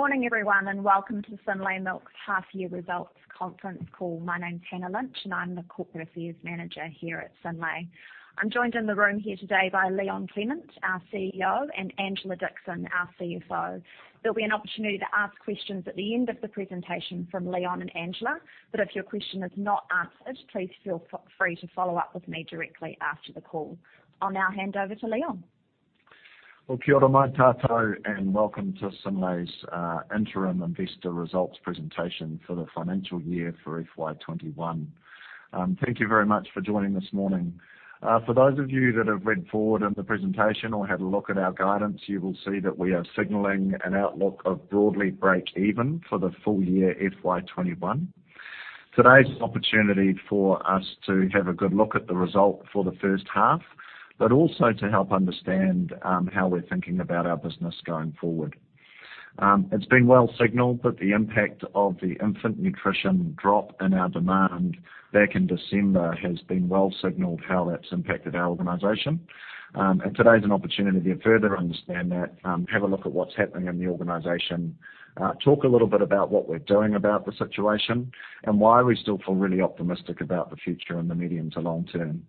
Good morning, everyone. Welcome to Synlait Milk's half year results conference call. My name's Hannah Lynch. I'm the Corporate Affairs Manager here at Synlait. I'm joined in the room here today by Leon Clement, our CEO, and Angela Dixon, our CFO. There'll be an opportunity to ask questions at the end of the presentation from Leon and Angela. If your question is not answered, please feel free to follow up with me directly after the call. I'll now hand over to Leon. Well, kia ora koutou and welcome to Synlait's interim investor results presentation for the financial year for FY 2021. Thank you very much for joining this morning. For those of you that have read forward in the presentation or had a look at our guidance, you will see that we are signaling an outlook of broadly break even for the full year FY 2021. Today is an opportunity for us to have a good look at the result for the first half, also to help understand how we're thinking about our business going forward. It's been well signaled that the impact of the infant nutrition drop in our demand back in December has been well signaled how that's impacted our organization. Today is an opportunity to further understand that, have a look at what's happening in the organization, talk a little bit about what we're doing about the situation, and why we still feel really optimistic about the future in the medium to long term.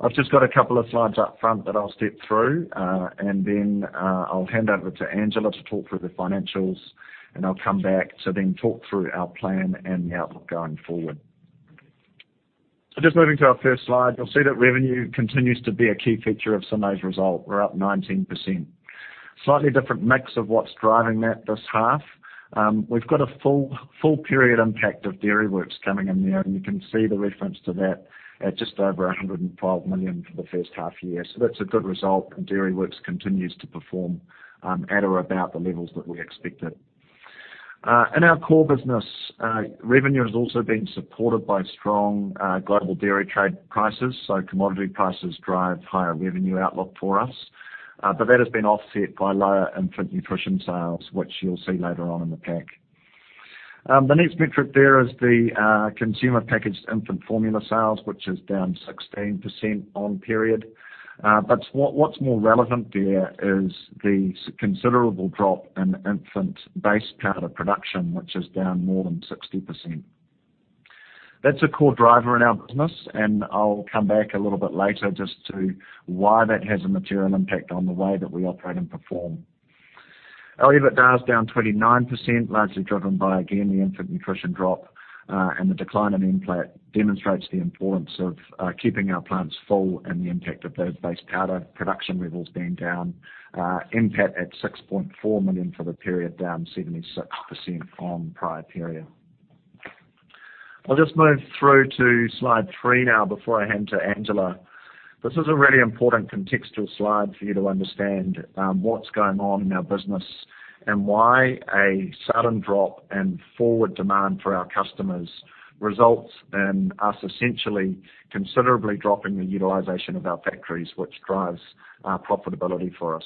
I've just got a couple of slides up front that I'll step through, then, I'll hand over to Angela to talk through the financials, and I'll come back to then talk through our plan and the outlook going forward. Just moving to our first slide, you'll see that revenue continues to be a key feature of Synlait's result. We're up 19%. Slightly different mix of what's driving that this half. We've got a full period impact of Dairyworks coming in there, and you can see the reference to that at just over 105 million for the first half year. That's a good result, and Dairyworks continues to perform at or about the levels that we expected. In our core business, revenue has also been supported by strong Global Dairy Trade prices. That has been offset by lower infant nutrition sales, which you'll see later on in the pack. The next metric there is the consumer packaged infant formula sales, which is down 16% on period. What's more relevant there is the considerable drop in infant base powder production, which is down more than 60%. That's a core driver in our business, and I'll come back a little bit later just to why that has a material impact on the way that we operate and perform. Our EBITDA is down 29%, largely driven by, again, the infant nutrition drop, and the decline in NPAT demonstrates the importance of keeping our plants full and the impact of those base powder production levels being down. NPAT at 6.4 million for the period, down 76% on prior period. I'll just move through to slide three now before I hand to Angela. This is a really important contextual slide for you to understand what's going on in our business and why a sudden drop in forward demand for our customers results in us essentially considerably dropping the utilization of our factories, which drives profitability for us.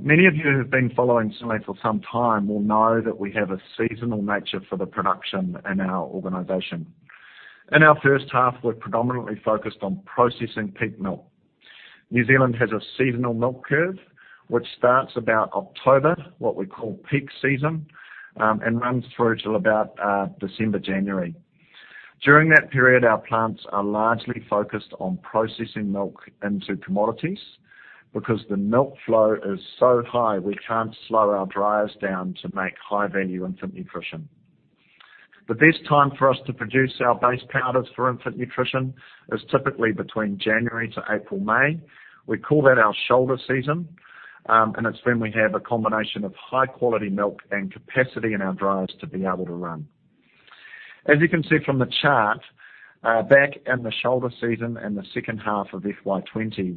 Many of you who have been following Synlait for some time will know that we have a seasonal nature for the production in our organization. In our first half, we're predominantly focused on processing peak milk. New Zealand has a seasonal milk curve, which starts about October, what we call peak season, and runs through till about December, January. During that period, our plants are largely focused on processing milk into commodities because the milk flow is so high, we can't slow our dryers down to make high-value infant nutrition. The best time for us to produce our base powders for infant nutrition is typically between January to April, May. We call that our shoulder season, and it's when we have a combination of high-quality milk and capacity in our dryers to be able to run. As you can see from the chart, back in the shoulder season in the second half of FY 2020,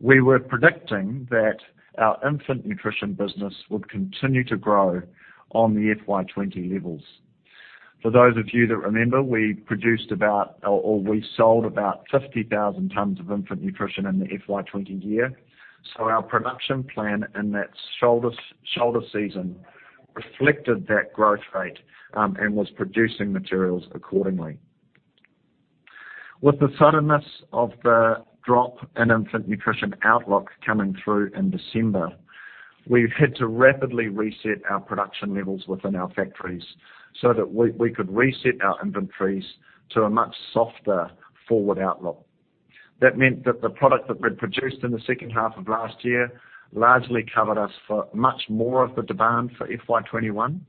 we were predicting that our infant nutrition business would continue to grow on the FY 2020 levels. For those of you that remember, we sold about 50,000 tonnes of infant nutrition in the FY20 year. Our production plan in that shoulder season reflected that growth rate, and was producing materials accordingly. With the suddenness of the drop in infant nutrition outlook coming through in December, we've had to rapidly reset our production levels within our factories so that we could reset our inventories to a much softer forward outlook. That meant that the product that we'd produced in the second half of last year largely covered us for much more of the demand for FY21.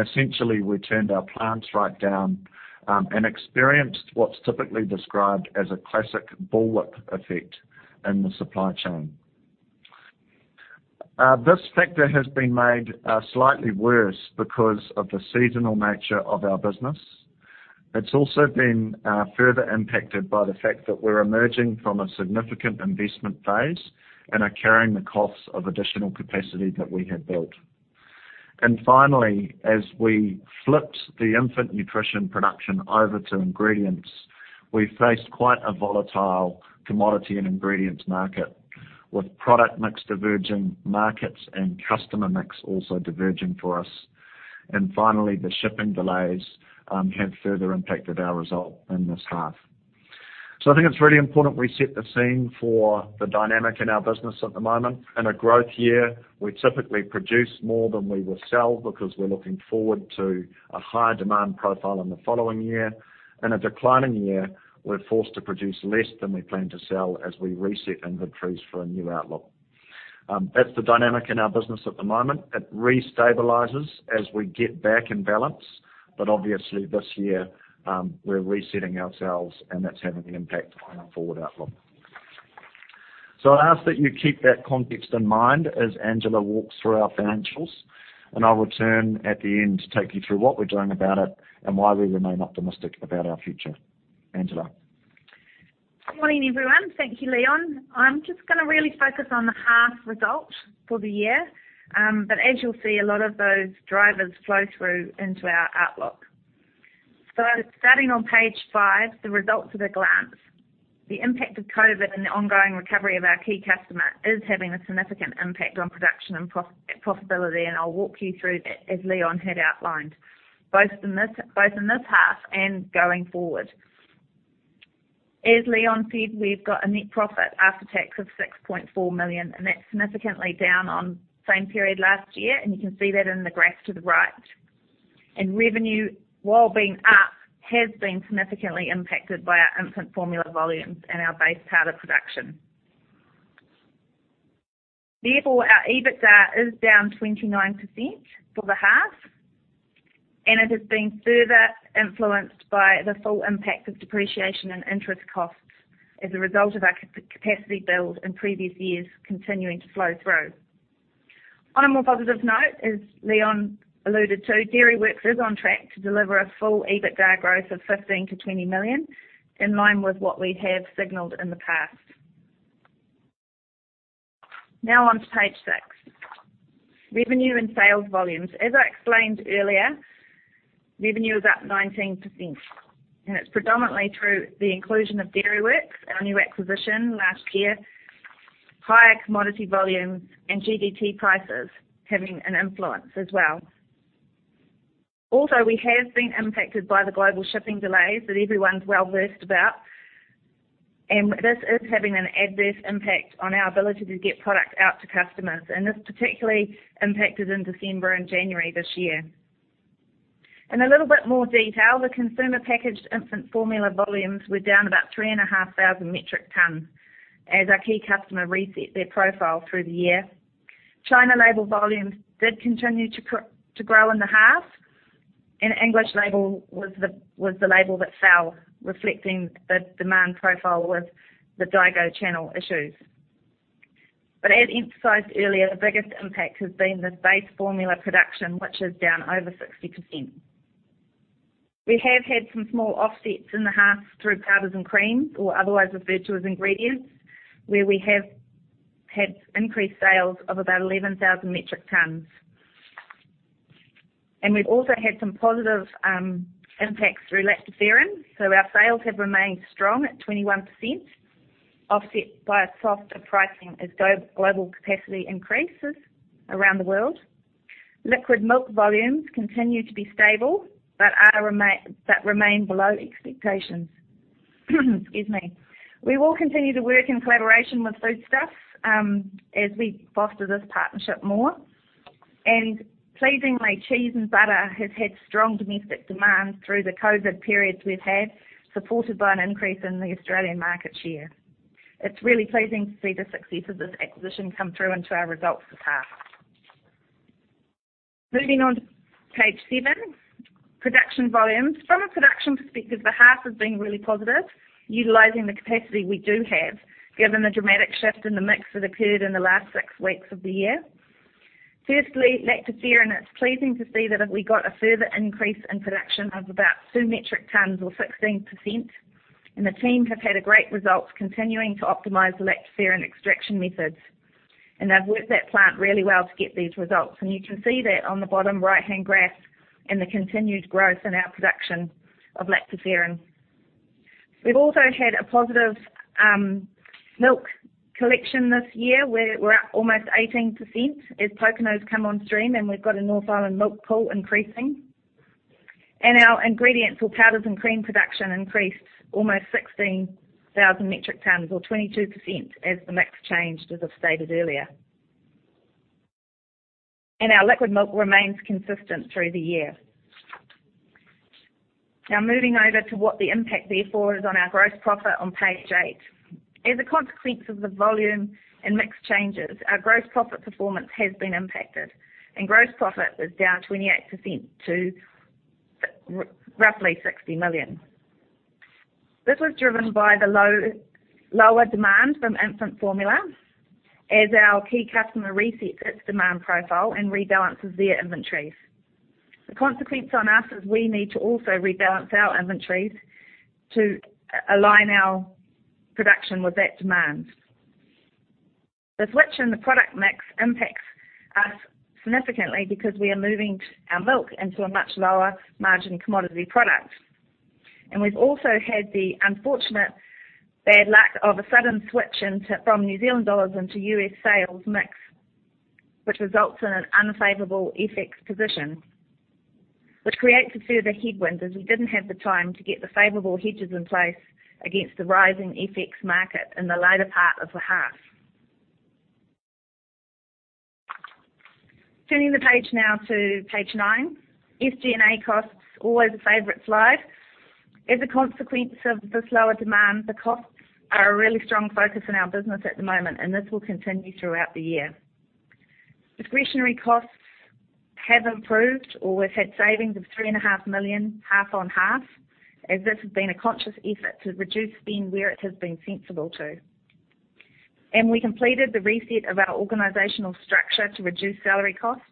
Essentially, we turned our plants right down, and experienced what's typically described as a classic bullwhip effect in the supply chain. This factor has been made slightly worse because of the seasonal nature of our business. It's also been further impacted by the fact that we're emerging from a significant investment phase and are carrying the costs of additional capacity that we have built. Finally, as we flipped the infant nutrition production over to ingredients, we faced quite a volatile commodity and ingredients market, with product mix diverging markets and customer mix also diverging for us. Finally, the shipping delays have further impacted our result in this half. I think it's really important we set the scene for the dynamic in our business at the moment. In a growth year, we typically produce more than we will sell because we're looking forward to a higher demand profile in the following year. In a declining year, we're forced to produce less than we plan to sell as we reset inventories for a new outlook. That's the dynamic in our business at the moment. It restabilizes as we get back in balance, but obviously this year, we're resetting ourselves and that's having an impact on our forward outlook. I ask that you keep that context in mind as Angela walks through our financials. I will return at the end to take you through what we're doing about it and why we remain optimistic about our future. Angela. Morning, everyone. Thank you, Leon. I'm just going to really focus on the half results for the year. As you'll see, a lot of those drivers flow through into our outlook. Starting on page five, the results at a glance. The impact of COVID-19 and the ongoing recovery of our key customer is having a significant impact on production and profitability, and I'll walk you through that, as Leon had outlined, both in this half and going forward. As Leon said, we've got an NPAT of 6.4 million, and that's significantly down on same period last year, and you can see that in the graph to the right. Revenue, while being up, has been significantly impacted by our infant formula volumes and our base powder production. Therefore, our EBITDA is down 29% for the half, and it has been further influenced by the full impact of depreciation and interest costs as a result of our capacity build in previous years continuing to flow through. On a more positive note, as Leon alluded to, Dairyworks is on track to deliver a full EBITDA growth of 15 million-20 million, in line with what we have signaled in the past. Now on to page six, revenue and sales volumes. As I explained earlier, revenue is up 19%, and it's predominantly through the inclusion of Dairyworks, our new acquisition last year, higher commodity volumes, and GDT prices having an influence as well. Also, we have been impacted by the global shipping delays that everyone's well-versed about, and this is having an adverse impact on our ability to get product out to customers. This particularly impacted in December and January this year. In a little bit more detail, the consumer packaged infant formula volumes were down about 3,500 metric tons as our key customer reset their profile through the year. China label volumes did continue to grow in the half. English label was the label that fell, reflecting the demand profile with the daigou channel issues. As emphasized earlier, the biggest impact has been this base formula production, which is down over 60%. We have had some small offsets in the half through powders and creams or otherwise referred to as ingredients, where we have had increased sales of about 11,000 metric tons. We've also had some positive impacts through lactoferrin, so our sales have remained strong at 21%, offset by softer pricing as global capacity increases around the world. Liquid milk volumes continue to be stable, remain below expectations. Excuse me. We will continue to work in collaboration with Foodstuffs, as we foster this partnership more. Pleasingly, cheese and butter have had strong domestic demand through the COVID periods we've had, supported by an increase in the Australian market share. It's really pleasing to see the success of this acquisition come through into our results for half. Moving on to page seven, production volumes. From a production perspective, the half has been really positive, utilizing the capacity we do have, given the dramatic shift in the mix that occurred in the last six weeks of the year. Firstly, lactoferrin, it's pleasing to see that we got a further increase in production of about 2 metric tons or 16%. The team have had a great result continuing to optimize the lactoferrin extraction methods. They've worked that plant really well to get these results. You can see that on the bottom right-hand graph in the continued growth in our production of lactoferrin. We've also had a positive milk collection this year, where we're up almost 18% as Pokeno's come on stream. We've got a North Island milk pool increasing. Our ingredients for powders and cream production increased almost 16,000 metric tons or 22% as the mix changed, as I stated earlier. Our liquid milk remains consistent through the year. Now, moving over to what the impact therefore is on our gross profit on page eight. As a consequence of the volume and mix changes, our gross profit performance has been impacted, and gross profit is down 28% to roughly 60 million. This was driven by the lower demand from infant formula as our key customer resets its demand profile and rebalances their inventories. The consequence on us is we need to also rebalance our inventories to align our production with that demand. The switch in the product mix impacts us significantly because we are moving our milk into a much lower margin commodity product. We've also had the unfortunate bad luck of a sudden switch from NZD into US sales mix, which results in an unfavorable FX position, which creates a further headwind, as we didn't have the time to get the favorable hedges in place against the rising FX market in the later part of the half. Turning the page now to Page nine. SG&A costs, always a favorite slide. As a consequence of the slower demand, the costs are a really strong focus in our business at the moment, and this will continue throughout the year. Discretionary costs have improved, or we've had savings of 3.5 million half-on-half, as this has been a conscious effort to reduce spend where it has been sensible to. We completed the reset of our organizational structure to reduce salary costs.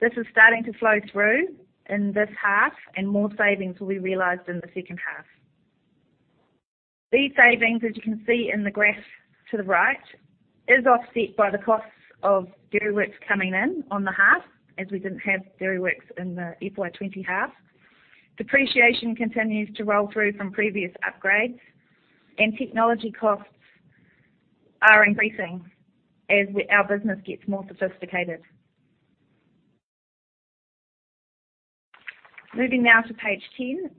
This is starting to flow through in this half, and more savings will be realized in the second half. These savings, as you can see in the graph to the right, is offset by the costs of Dairyworks coming in on the half, as we didn't have Dairyworks in the FY20 half. Depreciation continues to roll through from previous upgrades, and technology costs are increasing as our business gets more sophisticated. Moving now to Page 10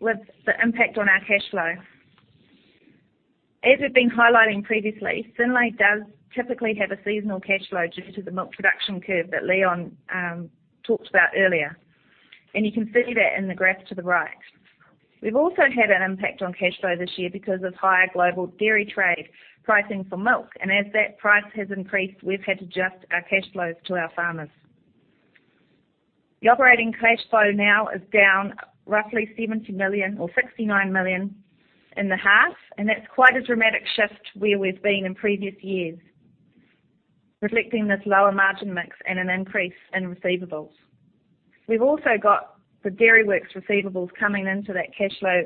with the impact on our cash flow. As we've been highlighting previously, Synlait does typically have a seasonal cash flow due to the milk production curve that Leon talked about earlier, and you can see that in the graph to the right. We've also had an impact on cash flow this year because of higher Global Dairy Trade pricing for milk. As that price has increased, we've had to adjust our cash flows to our farmers. The operating cash flow now is down roughly 70 million or 69 million in the half, and that's quite a dramatic shift where we've been in previous years, reflecting this lower margin mix and an increase in receivables. We've also got the Dairyworks receivables coming into that cash flow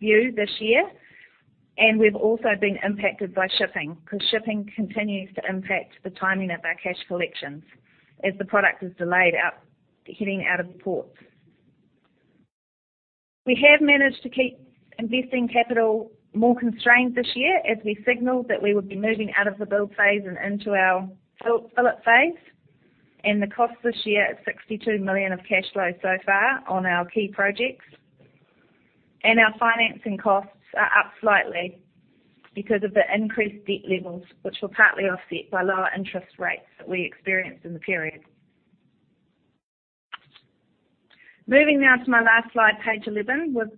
view this year, and we've also been impacted by shipping, because shipping continues to impact the timing of our cash collections as the product is delayed heading out of ports. We have managed to keep investing capital more constrained this year, as we signaled that we would be moving out of the build phase and into our fill-up phase. The cost this year at 62 million of cash flow so far on our key projects. Our financing costs are up slightly because of the increased debt levels, which were partly offset by lower interest rates that we experienced in the period. Moving now to my last slide, Page 11, with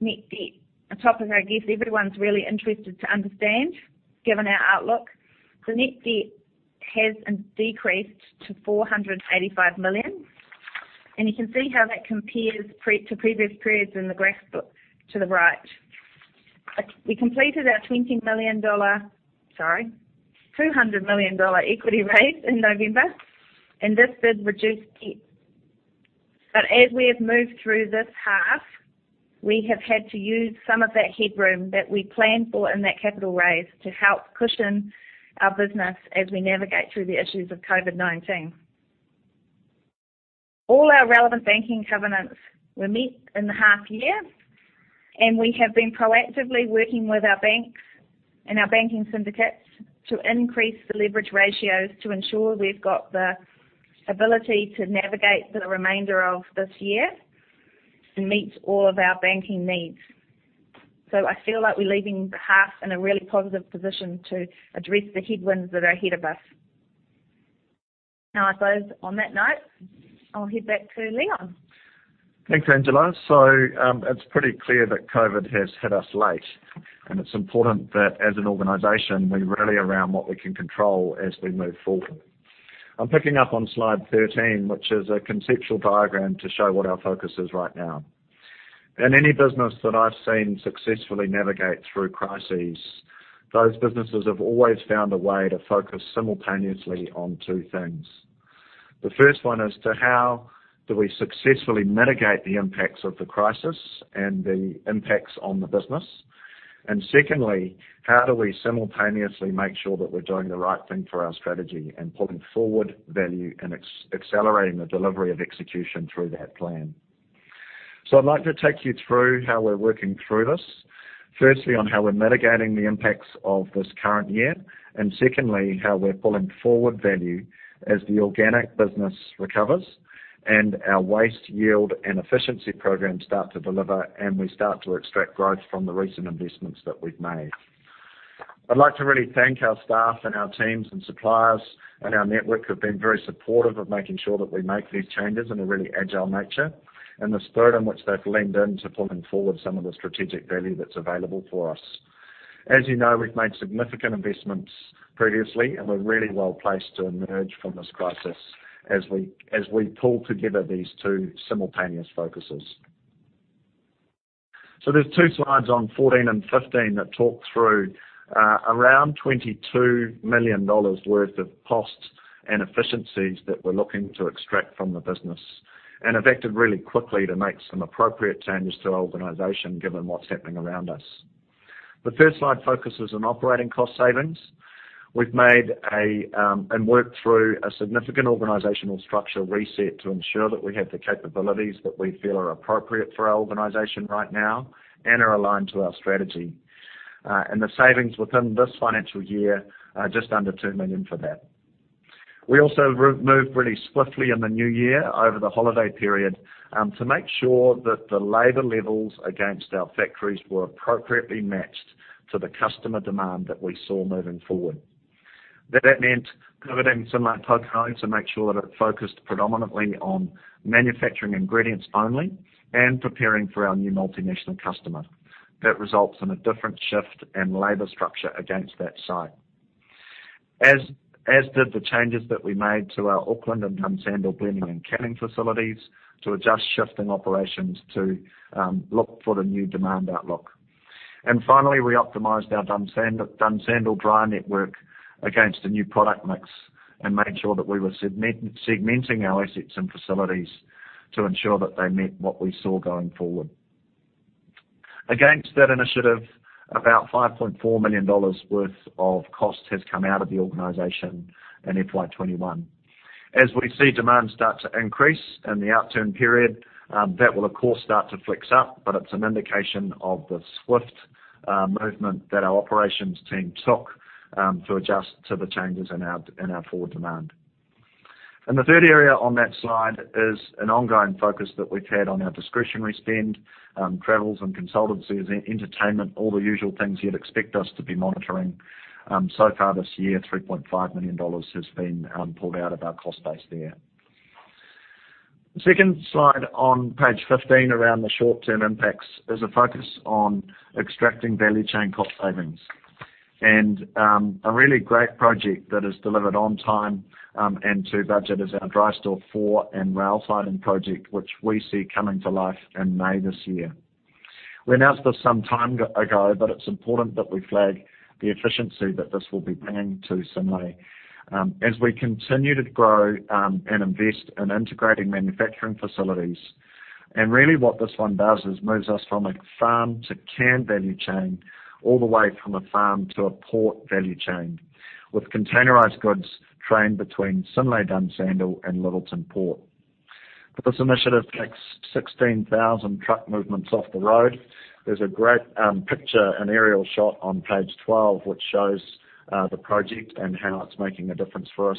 net debt, a topic I guess everyone's really interested to understand, given our outlook. The net debt has decreased to 485 million. You can see how that compares to previous periods in the graph to the right. We completed our 200 million dollar equity raise in November. This did reduce debt. As we have moved through this half, we have had to use some of that headroom that we planned for in that capital raise to help cushion our business as we navigate through the issues of COVID-19. All our relevant banking covenants were met in the half year. We have been proactively working with our banks and our banking syndicates to increase the leverage ratios to ensure we've got the ability to navigate the remainder of this year and meet all of our banking needs. I feel like we're leaving the half in a really positive position to address the headwinds that are ahead of us. I suppose on that note, I'll hand back to Leon. Thanks, Angela. It's pretty clear that COVID has hit us late, and it's important that as an organization, we rally around what we can control as we move forward. I'm picking up on Slide 13, which is a conceptual diagram to show what our focus is right now. In any business that I've seen successfully navigate through crises, those businesses have always found a way to focus simultaneously on two things. The first one is to how do we successfully mitigate the impacts of the crisis and the impacts on the business? Secondly, how do we simultaneously make sure that we're doing the right thing for our strategy and pulling forward value and accelerating the delivery of execution through that plan? I'd like to take you through how we're working through this. Firstly, on how we're mitigating the impacts of this current year, and secondly, how we're pulling forward value as the organic business recovers and our waste yield and efficiency programs start to deliver, and we start to extract growth from the recent investments that we've made. I'd like to really thank our staff and our teams and suppliers and our network, who've been very supportive of making sure that we make these changes in a really agile nature, and the spirit in which they've leaned in to pulling forward some of the strategic value that's available for us. As you know, we've made significant investments previously, and we're really well-placed to emerge from this crisis as we pull together these two simultaneous focuses. There's two slides on 14 and 15 that talk through around 22 million dollars worth of costs and efficiencies that we're looking to extract from the business and have acted really quickly to make some appropriate changes to our organization given what's happening around us. The first slide focuses on operating cost savings. We've made and worked through a significant organizational structure reset to ensure that we have the capabilities that we feel are appropriate for our organization right now and are aligned to our strategy. The savings within this financial year are just under 2 million for that. We also moved really swiftly in the new year over the holiday period, to make sure that the labor levels against our factories were appropriately matched to the customer demand that we saw moving forward. That meant pivoting Synlait Pokeno to make sure that it focused predominantly on manufacturing ingredients only and preparing for our new multinational customer. That results in a different shift in labor structure against that site. As did the changes that we made to our Auckland and Dunsandel blending and canning facilities to adjust shift and operations to look for the new demand outlook. Finally, we optimized our Dunsandel dryer network against a new product mix and made sure that we were segmenting our assets and facilities to ensure that they met what we saw going forward. Against that initiative, about 5.4 million dollars worth of cost has come out of the organization in FY21. As we see demand start to increase in the outturn period, that will of course start to flex up, but it's an indication of the swift movement that our operations team took to adjust to the changes in our forward demand. The third area on that slide is an ongoing focus that we've had on our discretionary spend, travels and consultancies, entertainment, all the usual things you'd expect us to be monitoring. So far this year, 3.5 million dollars has been pulled out of our cost base there. The second slide on page 15 around the short-term impacts is a focus on extracting value chain cost savings. A really great project that is delivered on time, and to budget, is our Dry Store 4 and rail sidings project, which we see coming to life in May this year. We announced this some time ago, but it's important that we flag the efficiency that this will be bringing to Synlait as we continue to grow, and invest in integrating manufacturing facilities. Really what this one does is moves us from a farm to can value chain, all the way from a farm to a port value chain, with containerized goods trained between Synlait Dunsandel and Lyttelton Port. This initiative takes 16,000 truck movements off the road. There's a great picture, an aerial shot on page 12, which shows the project and how it's making a difference for us.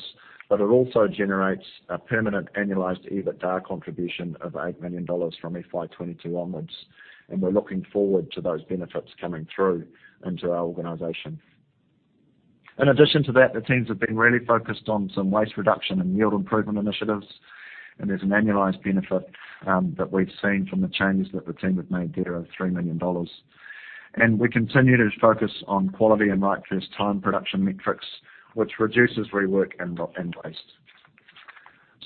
It also generates a permanent annualized EBITDA contribution of 8 million dollars from FY 2022 onwards. We're looking forward to those benefits coming through into our organization. In addition to that, the teams have been really focused on some waste reduction and yield improvement initiatives, and there's an annualized benefit that we've seen from the changes that the team have made there of 3 million dollars. We continue to focus on quality and right first time production metrics, which reduces rework and waste.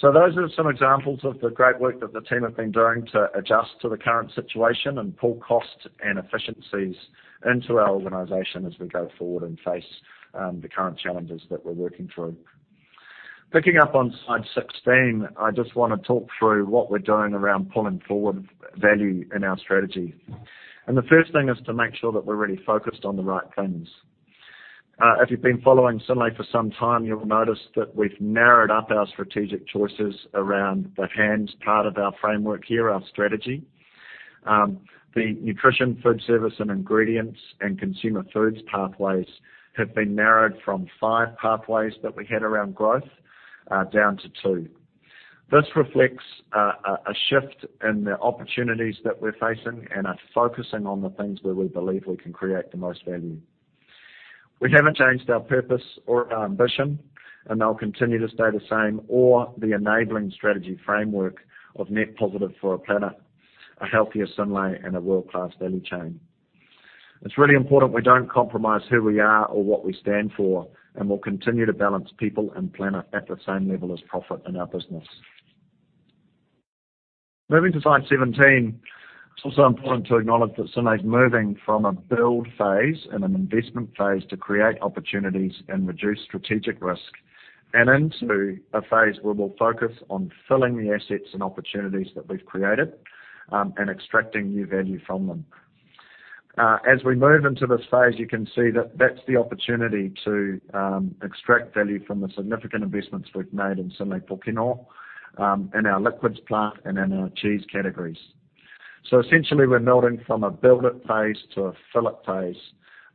Those are some examples of the great work that the team have been doing to adjust to the current situation and pull cost and efficiencies into our organization as we go forward and face the current challenges that we're working through. Picking up on slide 16, I just want to talk through what we're doing around pulling forward value in our strategy. The first thing is to make sure that we're really focused on the right things. If you've been following Synlait for some time, you'll notice that we've narrowed up our strategic choices around the hands part of our framework here, our strategy. The nutrition, food service, and ingredients and consumer foods pathways have been narrowed from 5 pathways that we had around growth, down to 2. This reflects a shift in the opportunities that we're facing and are focusing on the things where we believe we can create the most value. We haven't changed our purpose or our ambition, and they'll continue to stay the same, or the enabling strategy framework of net positive for our planet, a healthier Synlait, and a world-class value chain. It's really important we don't compromise who we are or what we stand for, and we'll continue to balance people and planet at the same level as profit in our business. Moving to slide 17, it's also important to acknowledge that Synlait's moving from a build phase and an investment phase to create opportunities and reduce strategic risk, and into a phase where we'll focus on filling the assets and opportunities that we've created, and extracting new value from them. As we move into this phase, you can see that that's the opportunity to extract value from the significant investments we've made in Synlait Pokeno, in our liquids plant, and in our cheese categories. Essentially, we're moving from a build it phase to a fill it phase,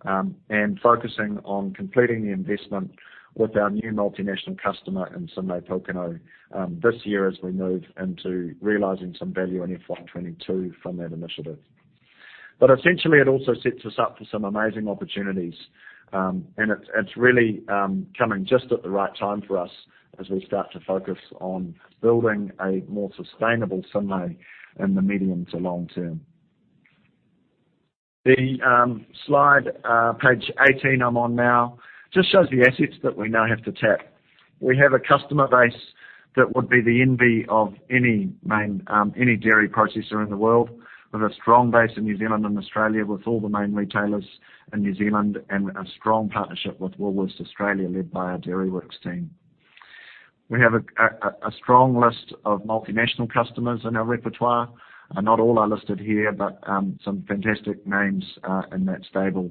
and focusing on completing the investment with our new multinational customer in Synlait Pokeno, this year as we move into realizing some value in FY22 from that initiative. Essentially, it also sets us up for some amazing opportunities, and it's really coming just at the right time for us as we start to focus on building a more sustainable Synlait in the medium to long term. The slide, page 18, I'm on now, just shows the assets that we now have to tap. We have a customer base that would be the envy of any dairy processor in the world, with a strong base in New Zealand and Australia with all the main retailers in New Zealand, and a strong partnership with Woolworths Australia, led by our Dairyworks team. We have a strong list of multinational customers in our repertoire. Not all are listed here, but some fantastic names are in that stable.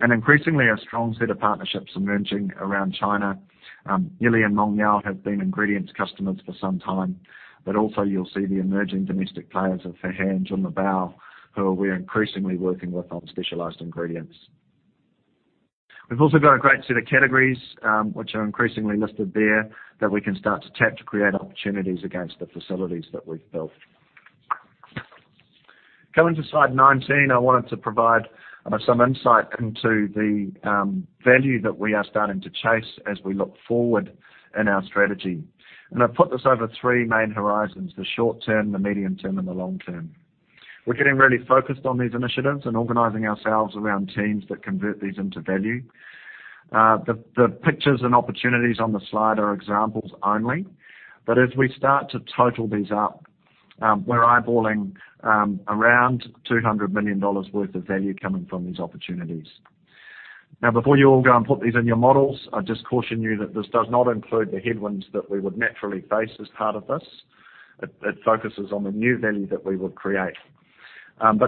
Increasingly, a strong set of partnerships emerging around China. Yili and Mengniu have been ingredients customers for some time, but also you'll see the emerging domestic players of, who we're increasingly working with on specialized ingredients. We've also got a great set of categories, which are increasingly listed there that we can start to tap to create opportunities against the facilities that we've built. Going to slide 19, I wanted to provide some insight into the value that we are starting to chase as we look forward in our strategy. I've put this over three main horizons, the short-term, the medium-term, and the long-term. We're getting really focused on these initiatives and organizing ourselves around teams that convert these into value. The pictures and opportunities on the slide are examples only. As we start to total these up, we're eyeballing around 200 million dollars worth of value coming from these opportunities. Now, before you all go and put these in your models, I just caution you that this does not include the headwinds that we would naturally face as part of this. It focuses on the new value that we would create.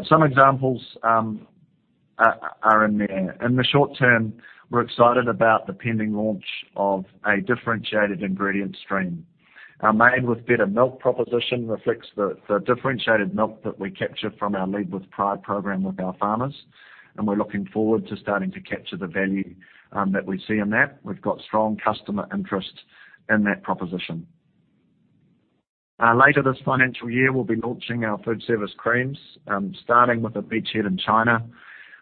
Some examples are in there. In the short-term, we're excited about the pending launch of a differentiated ingredient stream. Our Made With Better Milk proposition reflects the differentiated milk that we capture from our Lead With Pride program with our farmers, and we're looking forward to starting to capture the value that we see in that. We've got strong customer interest in that proposition. Later this financial year, we'll be launching our food service creams, starting with a beachhead in China.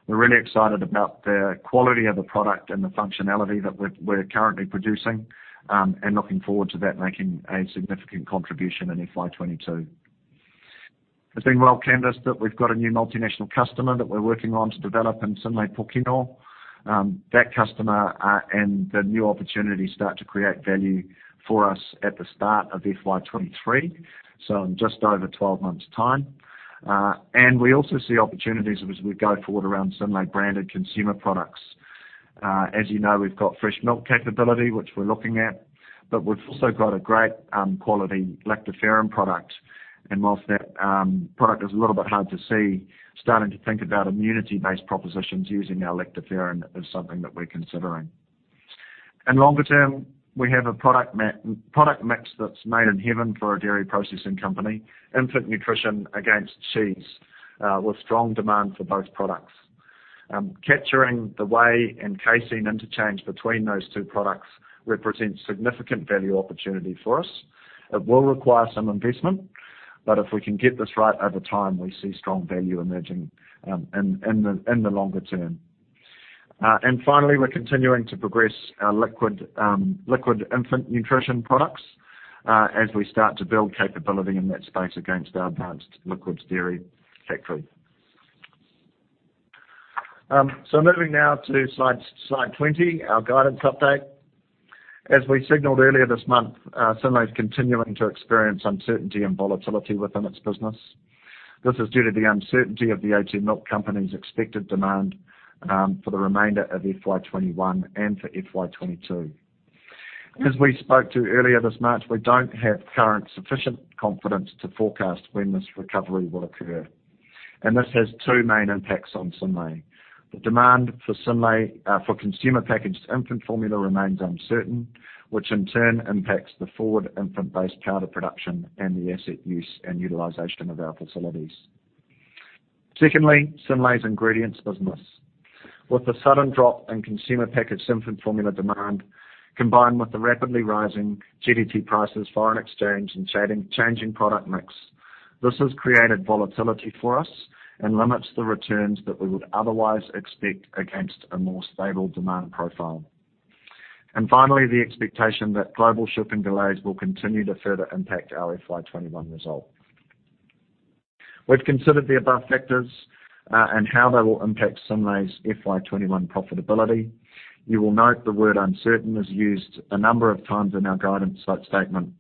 We're really excited about the quality of the product and the functionality that we're currently producing, and looking forward to that making a significant contribution in FY 2022. It's been well canvassed that we've got a new multinational customer that we're working on to develop in Synlait Pokeno. That customer and the new opportunities start to create value for us at the start of FY 2023, so in just over 12 months' time. We also see opportunities as we go forward around Synlait-branded consumer products. As you know, we've got fresh milk capability, which we're looking at, but we've also got a great quality lactoferrin product. Whilst that product is a little bit hard to see, starting to think about immunity-based propositions using our lactoferrin is something that we're considering. In longer term, we have a product mix that's made in heaven for a dairy processing company, infant nutrition against cheese, with strong demand for both products. Capturing the whey and casein interchange between those two products represents significant value opportunity for us. It will require some investment, but if we can get this right over time, we see strong value emerging in the longer term. Finally, we're continuing to progress our liquid infant nutrition products, as we start to build capability in that space against our advanced liquids dairy factory. Moving now to slide 20, our guidance update. As we signaled earlier this month, Synlait's continuing to experience uncertainty and volatility within its business. This is due to the uncertainty of The a2 Milk Company's expected demand for the remainder of FY21 and for FY22. As we spoke to earlier this March, we don't have current sufficient confidence to forecast when this recovery will occur, and this has two main impacts on Synlait. The demand for Synlait for consumer-packaged infant formula remains uncertain, which in turn impacts the forward infant-based powder production and the asset use and utilization of our facilities. Secondly, Synlait's ingredients business. With the sudden drop in consumer-packaged infant formula demand, combined with the rapidly rising GDT prices, foreign exchange, and changing product mix, this has created volatility for us and limits the returns that we would otherwise expect against a more stable demand profile. Finally, the expectation that global shipping delays will continue to further impact our FY21 result. We've considered the above factors, and how they will impact Synlait's FY21 profitability. You will note the word uncertain is used a number of times in our guidance statement,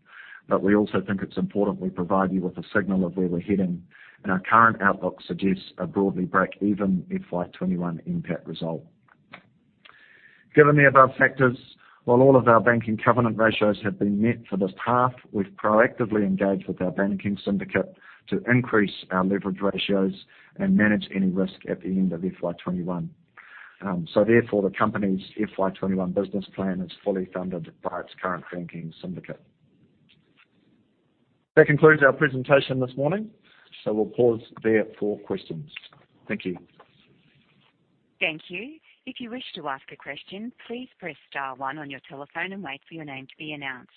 we also think it's important we provide you with a signal of where we're heading, and our current outlook suggests a broadly breakeven FY21 NPAT result. Given the above factors, while all of our banking covenant ratios have been met for this half, we've proactively engaged with our banking syndicate to increase our leverage ratios and manage any risk at the end of FY 2021. Therefore, the company's FY 2021 business plan is fully funded by its current banking syndicate. That concludes our presentation this morning. We'll pause there for questions. Thank you. Thank you. If you wish to ask a question, please press star one on your telephone and wait for your name to be announced.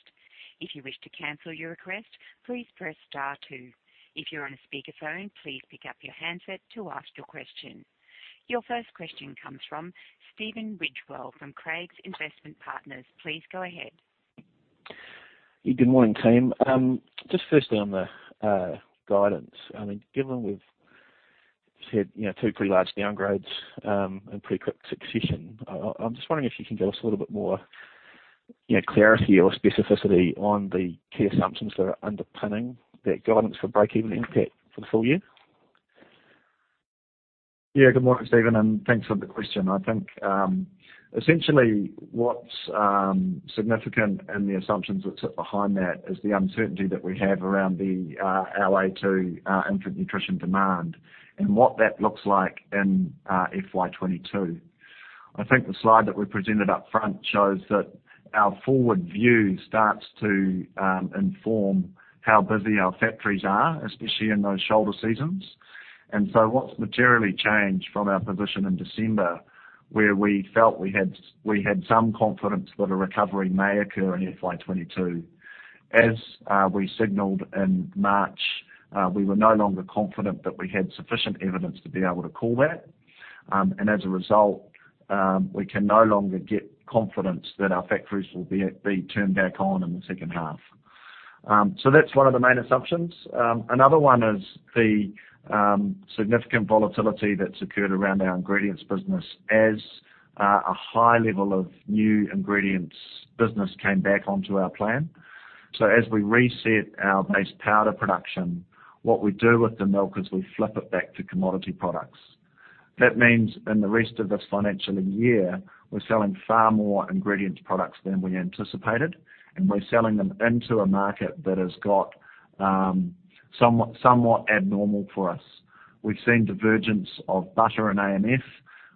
If you wish to cancel your request, please press star two. If you're on a speakerphone, please pick up your handset to ask your question. Your first question comes from Stephen Ridgewell from Craigs Investment Partners. Please go ahead. Yeah. Good morning, team. Just firstly on the guidance. Given we've said two pretty large downgrades in pretty quick succession, I'm just wondering if you can give us a little bit more clarity or specificity on the key assumptions that are underpinning that guidance for breakeven NPAT for the full year? Good morning, Stephen, and thanks for the question. I think, essentially, what's significant in the assumptions that sit behind that is the uncertainty that we have around our a2 infant nutrition demand and what that looks like in FY22. I think the slide that we presented up front shows that our forward view starts to inform how busy our factories are, especially in those shoulder seasons. What's materially changed from our position in December, where we felt we had some confidence that a recovery may occur in FY22. As we signaled in March, we were no longer confident that we had sufficient evidence to be able to call that. As a result, we can no longer get confidence that our factories will be turned back on in the second half. That's one of the main assumptions. Another one is the significant volatility that's occurred around our ingredients business as a high level of new ingredients business came back onto our plan. As we reset our base powder production, what we do with the milk is we flip it back to commodity products. That means in the rest of this financial year, we're selling far more ingredients products than we anticipated, and we're selling them into a market that has got somewhat abnormal for us. We've seen divergence of butter and AMF.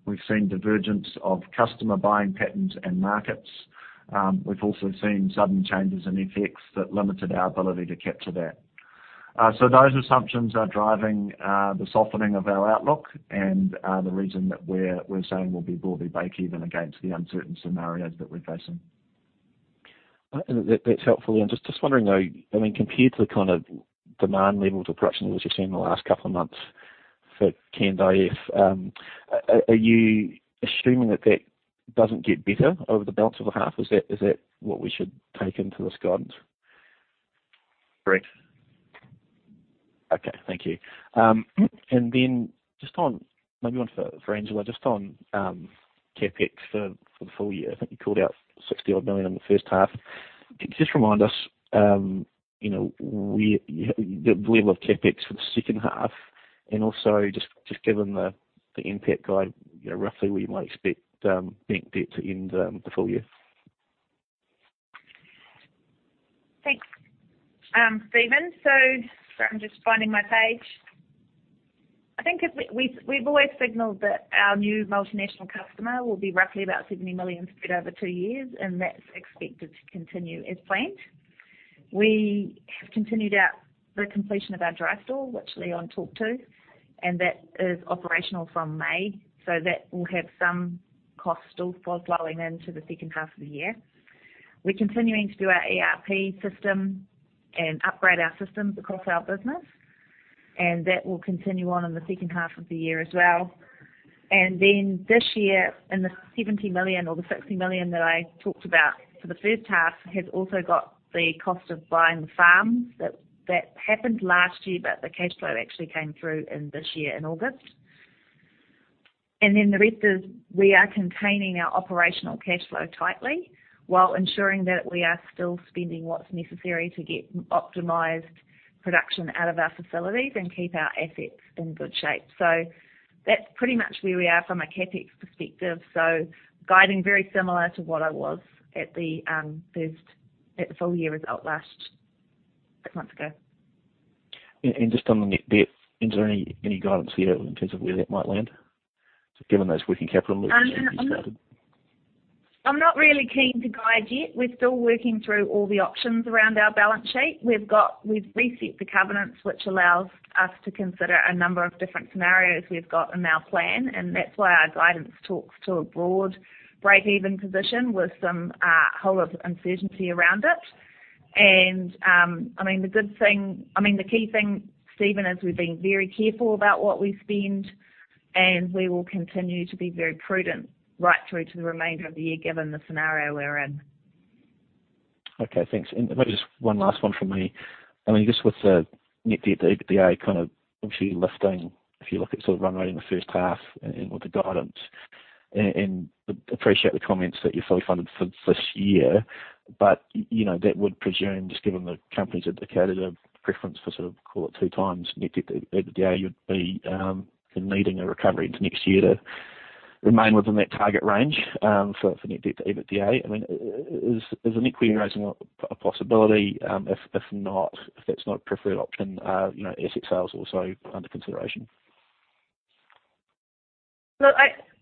We've seen divergence of customer buying patterns and markets. We've also seen sudden changes in FX that limited our ability to capture that. Those assumptions are driving the softening of our outlook and the reason that we're saying we'll be broadly breakeven against the uncertain scenarios that we're facing. That's helpful, Leon. Just wondering though, compared to the kind of demand levels or production levels you've seen in the last couple of months for canned IF, are you assuming that that doesn't get better over the balance of the half? Is that what we should take into this guidance? Correct. Okay. Thank you. Maybe one for Angela, just on CapEx for the full year, I think you called out 60 million in the first half. Can you just remind us the level of CapEx for the second half and also just given the NPAT guide, roughly we might expect net debt to end the full year? Thanks, Stephen. Sorry, I'm just finding my page. I think we've always signaled that our new multinational customer will be roughly about 70 million spread over 2 years, and that's expected to continue as planned. We have continued out the completion of our Dry Store 4, which Leon Clement talked to, and that is operational from May, that will have some cost still flowing into the second half of the year. We're continuing to do our ERP system and upgrade our systems across our business, that will continue on in the second half of the year as well. This year, in the 70 million or the 60 million that I talked about for the first half, has also got the cost of buying the farms that happened last year, the cash flow actually came through in this year in August. The rest is we are containing our operational cash flow tightly while ensuring that we are still spending what's necessary to get optimized production out of our facilities and keep our assets in good shape. That's pretty much where we are from a CapEx perspective. Guiding very similar to what I was at the full year result last six months ago. Just on the net debt, is there any guidance here in terms of where that might land given those working capital moves you started? I'm not really keen to guide yet. We're still working through all the options around our balance sheet. We've reset the covenants, which allows us to consider a number of different scenarios we've got in our plan, and that's why our guidance talks to a broad breakeven position with some whole lot of uncertainty around it. The key thing, Stephen, is we're being very careful about what we spend, and we will continue to be very prudent right through to the remainder of the year, given the scenario we're in. Okay, thanks. Maybe just one last one from me. Just with the net debt to EBITDA kind of actually lifting, if you look at sort of run rate in the first half and with the guidance, and appreciate the comments that you're fully funded for this year, but that would presume, just given the company's indicated a preference for sort of, call it two times net debt to EBITDA, you'd be needing a recovery into next year to remain within that target range, for net debt to EBITDA. Is an equity raising a possibility? If that's not a preferred option, are asset sales also under consideration?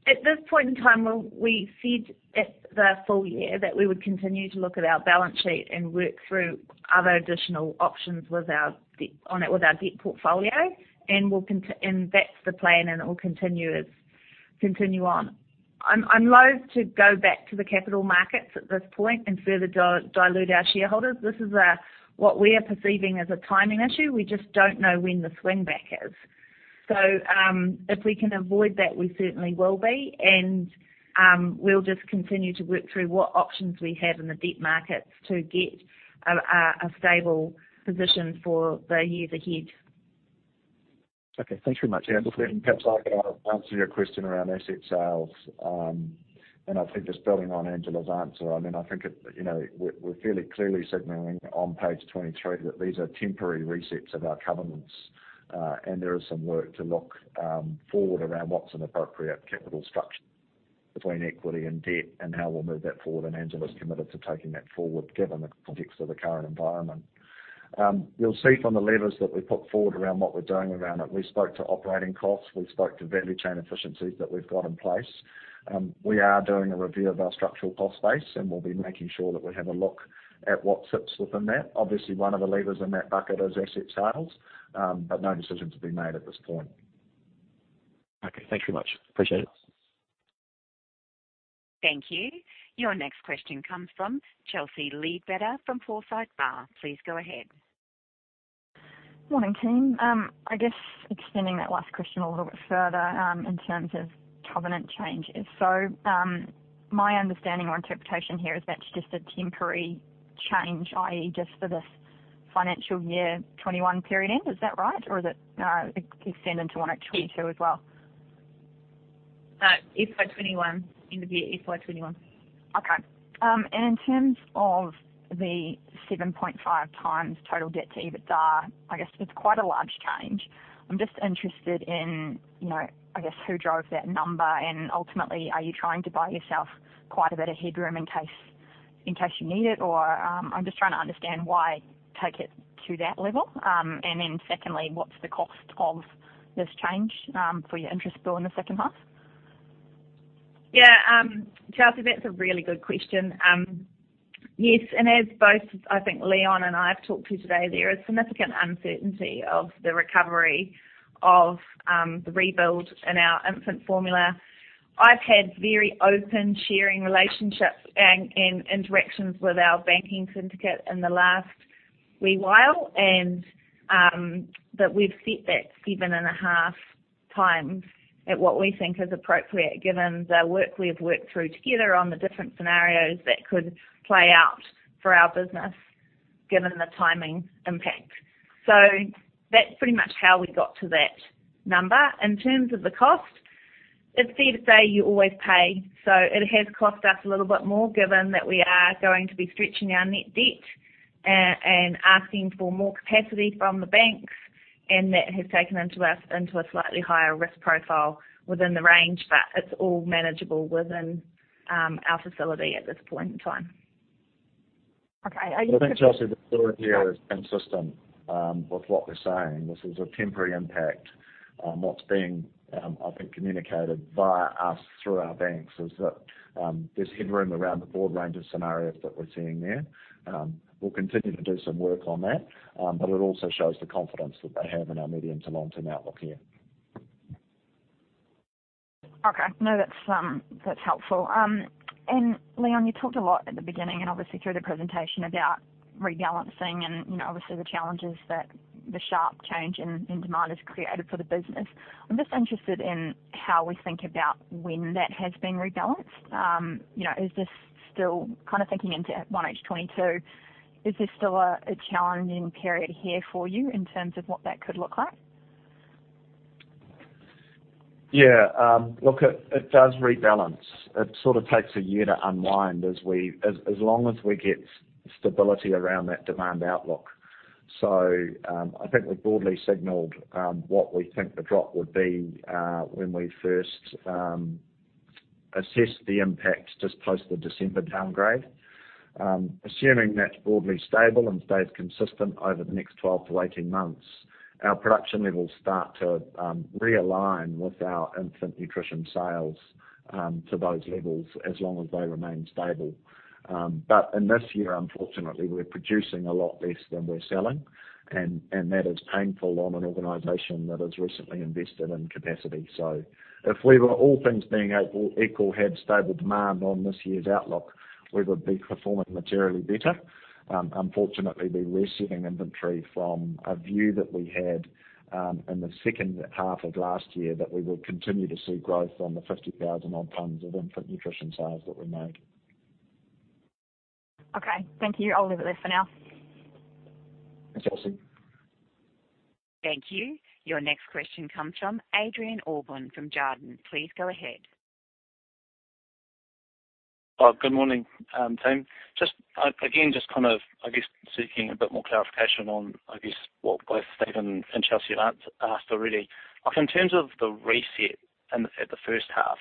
At this point in time, we said at the full year that we would continue to look at our balance sheet and work through other additional options on it with our debt portfolio, and that's the plan and it will continue on. I'm loathe to go back to the capital markets at this point and further dilute our shareholders. This is what we are perceiving as a timing issue. We just don't know when the swing back is. If we can avoid that, we certainly will be, and we'll just continue to work through what options we have in the debt markets to get a stable position for the year ahead. Okay. Thanks very much. Perhaps I could answer your question around asset sales. I think just building on Angela's answer, I think we're fairly clearly signaling on page 23 that these are temporary resets of our covenants. There is some work to look forward around what's an appropriate capital structure between equity and debt and how we'll move that forward, and Angela's committed to taking that forward given the context of the current environment. You'll see from the levers that we put forward around what we're doing around it, we spoke to operating costs, we spoke to value chain efficiencies that we've got in place. We are doing a review of our structural cost base, and we'll be making sure that we have a look at what sits within that. Obviously, one of the levers in that bucket is asset sales, but no decisions have been made at this point. Okay. Thank you very much. Appreciate it. Thank you. Your next question comes from Chelsea Leadbetter from Forsyth Barr. Please go ahead. Morning, team. I guess extending that last question a little bit further in terms of covenant changes. My understanding or interpretation here is that's just a temporary change, i.e., just for this financial year FY21 period end. Is that right, or does it extend into FY22 as well? No, FY 2021, end of year FY 2021. Okay. In terms of the 7.5x total debt to EBITDA, I guess it's quite a large change. I'm just interested in, I guess, who drove that number and ultimately, are you trying to buy yourself quite a bit of headroom in case you need it? I'm just trying to understand why take it to that level. Then secondly, what's the cost of this change for your interest bill in the second half? Yeah. Chelsea, that's a really good question. Yes, as both, I think Leon and I have talked to you today, there is significant uncertainty of the recovery of the rebuild in our infant formula. I've had very open, sharing relationships and interactions with our banking syndicate in the last wee while, and that we've set that seven and a half times at what we think is appropriate given the work we've worked through together on the different scenarios that could play out for our business, given the timing impact. That's pretty much how we got to that number. In terms of the cost, it's fair to say you always pay. It has cost us a little bit more given that we are going to be stretching our net debt and asking for more capacity from the banks, and that has taken us into a slightly higher risk profile within the range, but it's all manageable within our facility at this point in time. Okay. I think, Chelsea, the story here is consistent with what we're saying. This is a temporary impact. What's being, I think, communicated via us through our banks is that there's headroom around the broad range of scenarios that we're seeing there. We'll continue to do some work on that, but it also shows the confidence that they have in our medium to long-term outlook here. Okay. No, that's helpful. Leon, you talked a lot at the beginning and obviously through the presentation about rebalancing and obviously the challenges that the sharp change in demand has created for the business. I'm just interested in how we think about when that has been rebalanced. Is this still thinking into H1 2022, is this still a challenging period here for you in terms of what that could look like? It does rebalance. It sort of takes one year to unwind as long as we get stability around that demand outlook. I think we broadly signaled what we think the drop would be when we first assessed the impact just post the December downgrade. Assuming that's broadly stable and stays consistent over the next 12 to 18 months, our production levels start to realign with our infant nutrition sales to those levels as long as they remain stable. In this year, unfortunately, we're producing a lot less than we're selling, and that is painful on an organization that has recently invested in capacity. If we were all things being equal, had stable demand on this year's outlook, we would be performing materially better. Unfortunately, we're resetting inventory from a view that we had in the second half of last year that we would continue to see growth on the 50,000 odd tons of infant nutrition sales that we make. Okay. Thank you. I'll leave it there for now. Thanks, Chelsea. Thank you. Your next question comes from Adrian Allbon from Jarden. Please go ahead. Good morning, team. Again, just kind of, I guess, seeking a bit more clarification on, I guess, what both Stephen and Chelsea asked already. In terms of the reset at the first half,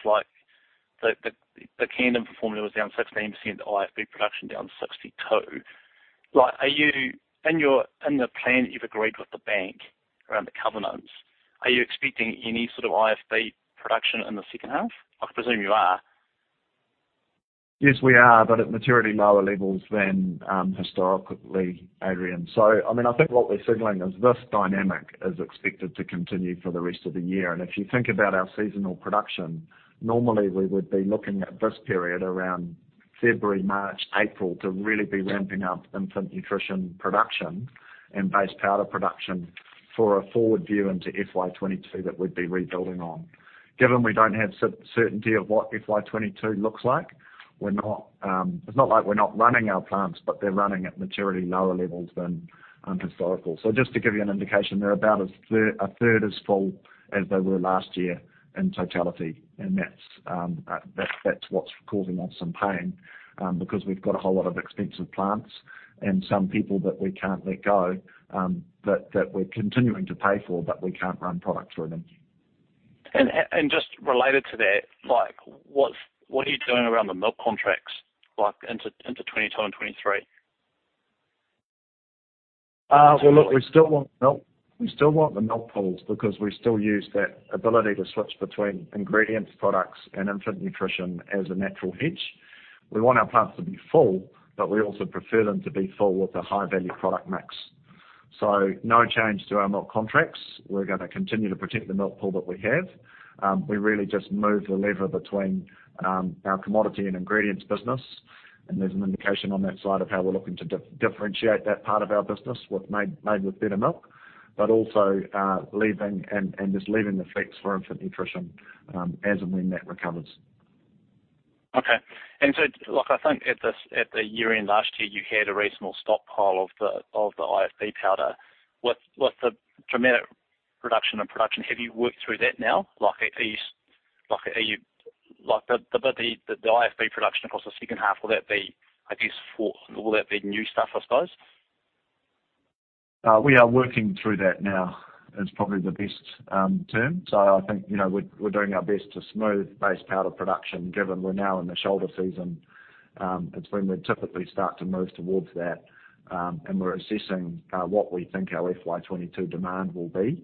the canned infant formula was down 16%, IFB production down 62. In the plan you've agreed with the bank around the covenants, are you expecting any sort of IFB production in the second half? I presume you are. Yes, we are, but at materially lower levels than historically, Adrian. I think what we're signaling is this dynamic is expected to continue for the rest of the year. If you think about our seasonal production, normally we would be looking at this period around February, March, April, to really be ramping up infant nutrition production and base powder production for a forward view into FY22 that we'd be rebuilding on. Given we don't have certainty of what FY22 looks like, it's not like we're not running our plants, but they're running at materially lower levels than historical. Just to give you an indication, they're about a third as full as they were last year in totality, and that's what's causing us some pain, because we've got a whole lot of expensive plants and some people that we can't let go, that we're continuing to pay for, but we can't run product through them. Just related to that, what are you doing around the milk contracts into 2022 and 2023? Look, we still want milk. We still want the milk pools because we still use that ability to switch between ingredients products and infant nutrition as a natural hedge. We want our plants to be full, but we also prefer them to be full with a high-value product mix. No change to our milk contracts. We're going to continue to protect the milk pool that we have. We really just move the lever between our commodity and ingredients business, and there's an indication on that side of how we're looking to differentiate that part of our business with Made With Better Milk, but also leaving and just leaving the flex for infant nutrition, as and when that recovers. Okay. Look, I think at the year-end last year, you had a reasonable stockpile of the IFB powder. With the dramatic reduction in production, have you worked through that now? Like, the IFB production across the second half, will that be new stuff, I suppose? We are working through that now, is probably the best term. I think, we're doing our best to smooth base powder production, given we're now in the shoulder season. It's when we'd typically start to move towards that. We're assessing what we think our FY22 demand will be,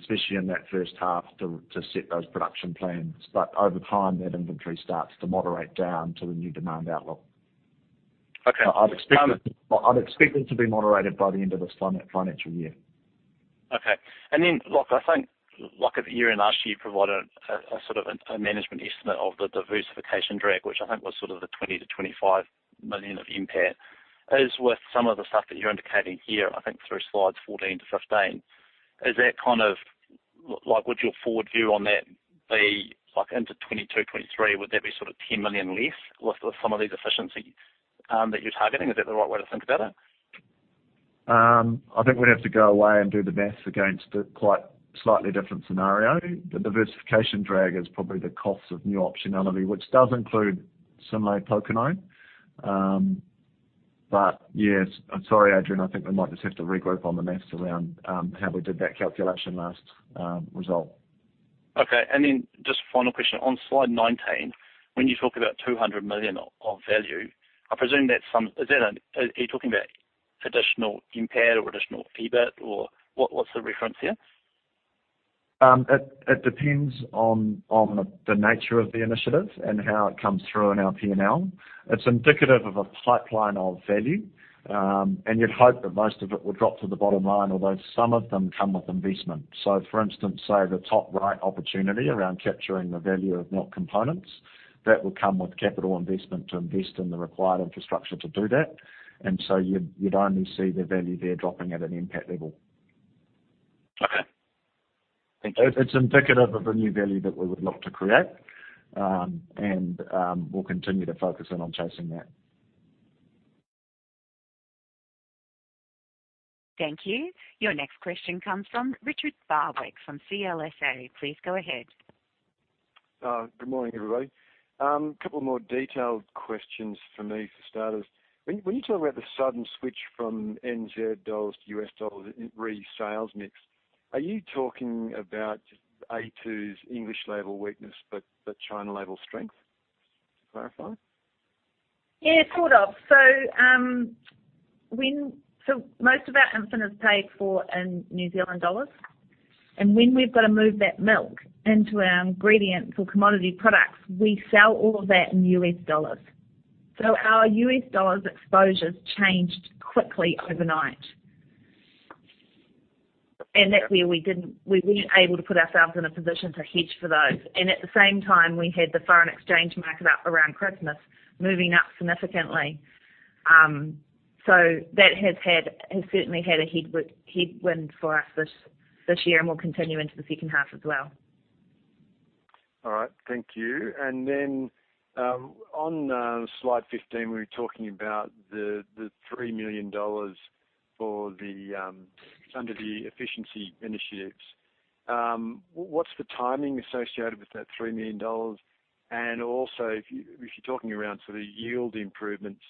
especially in that first half to set those production plans. Over time, that inventory starts to moderate down to the new demand outlook. Okay. I'd expect it to be moderated by the end of this financial year. Okay. Look at the year-end last year, you provided a sort of a management estimate of the diversification drag, which was sort of the 20 million-25 million of impact. With some of the stuff that you're indicating here, through slides 14 to 15, would your forward view on that be into 2022, 2023, would that be sort of 10 million less with some of these efficiencies that you're targeting? Is that the right way to think about it? I think we'd have to go away and do the maths against a quite slightly different scenario. The diversification drag is probably the cost of new optionality, which does include Synlait Tokanui. Yes, I'm sorry, Adrian, I think we might just have to regroup on the maths around how we did that calculation last result. Okay. Just final question. On slide 19, when you talk about 200 million of value, are you talking about additional impact or additional EBIT, or what's the reference here? It depends on the nature of the initiative and how it comes through in our P&L. It's indicative of a pipeline of value. You'd hope that most of it would drop to the bottom line, although some of them come with investment. For instance, say, the top right opportunity around capturing the value of milk components, that will come with capital investment to invest in the required infrastructure to do that. You'd only see the value there dropping at an impact level. Okay. Thank you. It's indicative of the new value that we would look to create. We'll continue to focus in on chasing that. Thank you. Your next question comes from Richard Barwick from CLSA. Please go ahead. Good morning, everybody. Couple more detailed questions from me to start us. When you talk about the sudden switch from NZD to $ re: sales mix, are you talking about just a2's English label weakness but China label strength? To clarify. Yeah, sort of. Most of our infant is paid for in New Zealand dollars. When we've got to move that milk into our ingredient or commodity products, we sell all of that in US dollars. Our US dollars exposures changed quickly overnight. That year, we weren't able to put ourselves in a position to hedge for those. At the same time, we had the foreign exchange market up around Christmas moving up significantly. That has certainly had a headwind for us this year, and will continue into the second half as well. All right. Thank you. On slide 15, we were talking about the 3 million dollars under the efficiency initiatives. What's the timing associated with that 3 million dollars? Also, if you're talking around sort of yield improvements,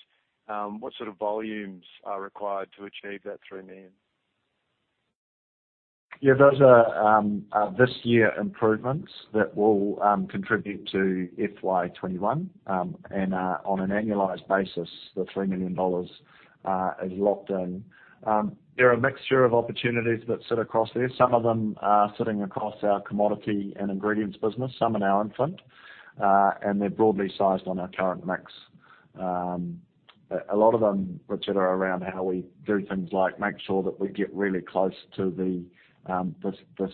what sort of volumes are required to achieve that 3 million? Yeah, those are this year improvements that will contribute to FY 2021. On an annualized basis, the 3 million dollars is locked in. There are a mixture of opportunities that sit across there. Some of them are sitting across our commodity and ingredients business, some in our infant. They're broadly sized on our current mix. A lot of them, Richard, are around how we do things like make sure that we get really close to the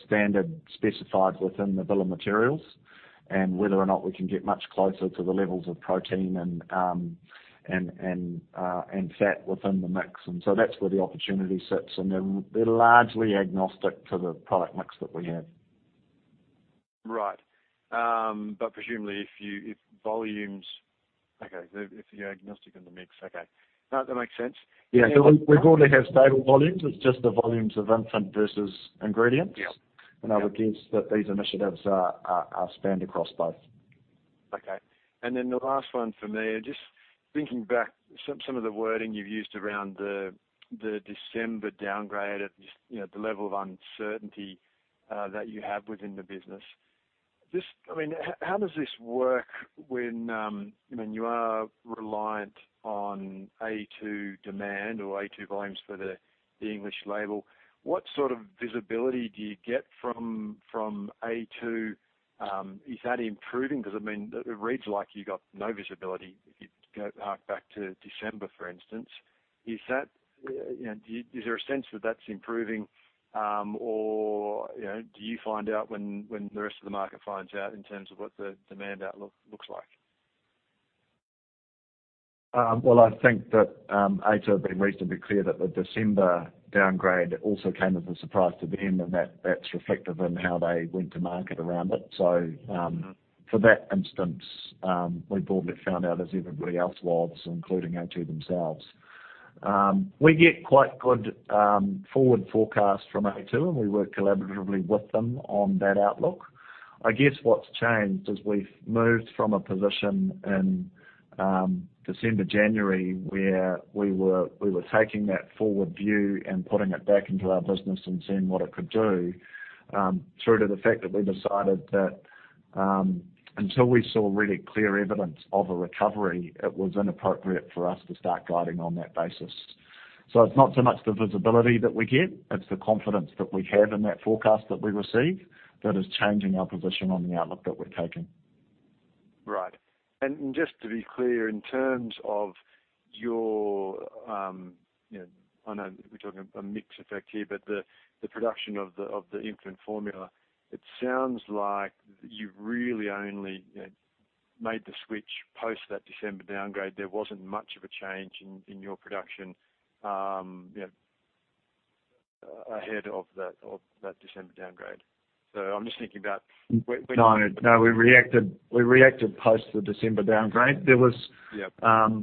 standard specified within the bill of materials, and whether or not we can get much closer to the levels of protein and fat within the mix. That's where the opportunity sits, and they're largely agnostic to the product mix that we have. Right. Presumably, if volumes, okay. If you're agnostic in the mix, okay. No, that makes sense. Yeah. We broadly have stable volumes. It's just the volumes of infant versus ingredients. Yeah. I would guess that these initiatives are spanned across both. Okay. The last one from me, just thinking back, some of the wording you've used around the December downgrade at just the level of uncertainty that you have within the business. How does this work when you are reliant on a2 demand or a2 volumes for the English label? What sort of visibility do you get from a2? Is that improving? It reads like you got no visibility if you go back to December, for instance. Is there a sense that that's improving? Do you find out when the rest of the market finds out in terms of what the demand outlook looks like? Well, I think that a2 have been reasonably clear that the December downgrade also came as a surprise to them, and that's reflective in how they went to market around it. For that instance, we broadly found out as everybody else was, including a2 themselves. We get quite good forward forecast from a2, and we work collaboratively with them on that outlook. I guess what's changed is we've moved from a position in December, January, where we were taking that forward view and putting it back into our business and seeing what it could do, through to the fact that we decided that until we saw really clear evidence of a recovery, it was inappropriate for us to start guiding on that basis. It's not so much the visibility that we get, it's the confidence that we have in that forecast that we receive that is changing our position on the outlook that we're taking. Right. Just to be clear, in terms of your, I know we're talking a mix effect here, but the production of the infant formula, it sounds like you really only made the switch post that December downgrade. There wasn't much of a change in your production ahead of that December downgrade. No. We reacted post the December downgrade. Yeah.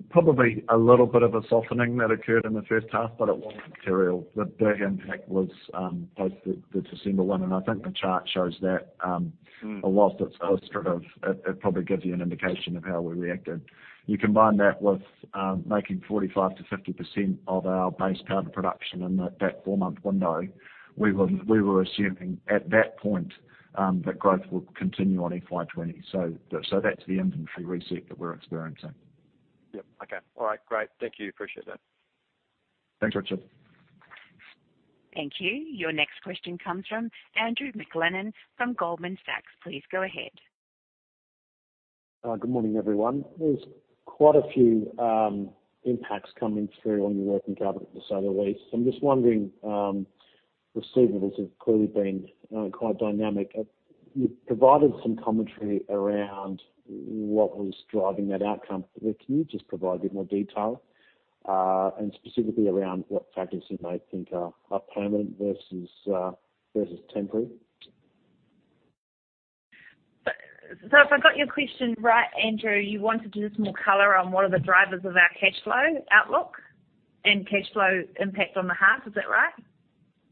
Probably a little bit of a softening that occurred in the first half, but it wasn't material. The big impact was post the December one, and I think the chart shows that. Whilst it probably gives you an indication of how we reacted. You combine that with making 45%-50% of our base powder production in that four-month window, we were assuming at that point that growth will continue on FY 2020. That's the inventory reset that we're experiencing. Yep. Okay. All right. Great. Thank you. Appreciate that. Thanks, Richard. Thank you. Your next question comes from Andrew McLennan from Goldman Sachs. Please go ahead. Good morning, everyone. There's quite a few impacts coming through on your working capital this other week. I'm just wondering, receivables have clearly been quite dynamic. You've provided some commentary around what was driving that outcome, but can you just provide a bit more detail, and specifically around what factors you may think are permanent versus temporary? If I got your question right, Andrew, you wanted just more color on what are the drivers of our cash flow outlook and cash flow impact on the half, is that right?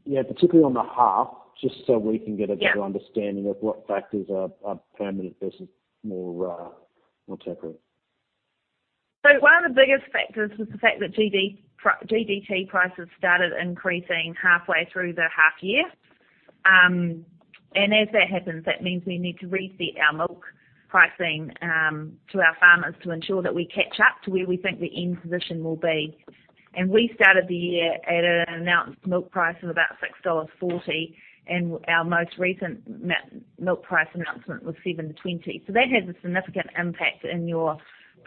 Yeah, particularly on the half, just so we can. Yeah. Better understanding of what factors are permanent versus more temporary. One of the biggest factors was the fact that GDT prices started increasing halfway through the half year. As that happens, that means we need to reset our milk pricing to our farmers to ensure that we catch up to where we think the end position will be. We started the year at an announced milk price of about 6.40 dollars, and our most recent milk price announcement was 7.20. That has a significant impact in your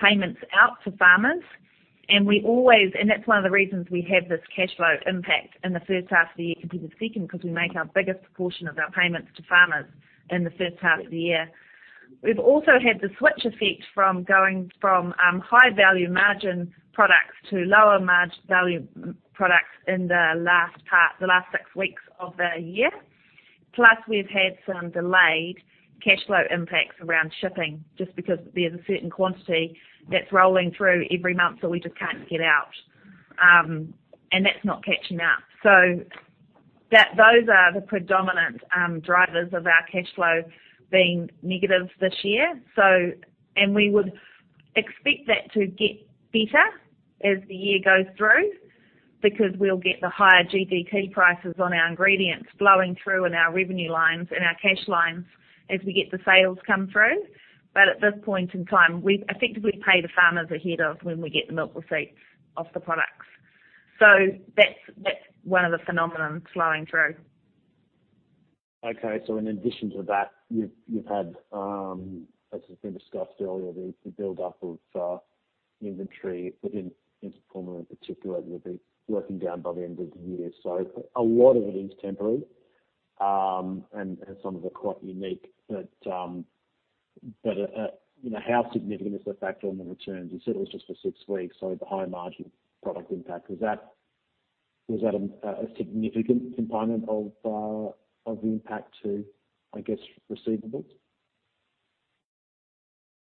payments out to farmers. That's one of the reasons we have this cash flow impact in the first half of the year compared to the second, because we make our biggest portion of our payments to farmers in the first half of the year. We've also had the switch effect from going from high-value margin products to lower margin value products in the last 6 weeks of the year. We've had some delayed cash flow impacts around shipping, just because there's a certain quantity that's rolling through every month that we just can't get out. That's not catching up. Those are the predominant drivers of our cash flow being negative this year. We would expect that to get better as the year goes through because we'll get the higher GDT prices on our ingredients flowing through in our revenue lines and our cash lines as we get the sales come through. At this point in time, we effectively pay the farmers ahead of when we get the milk receipts of the products. That's one of the phenomenon flowing through. Okay. In addition to that, you've had, as has been discussed earlier, the buildup of inventory within infant formula in particular, you'll be working down by the end of the year. A lot of it is temporary, and some of it quite unique. How significant is the factor on the returns? You said it was just for six weeks, so the high margin product impact. Was that a significant component of the impact to receivables?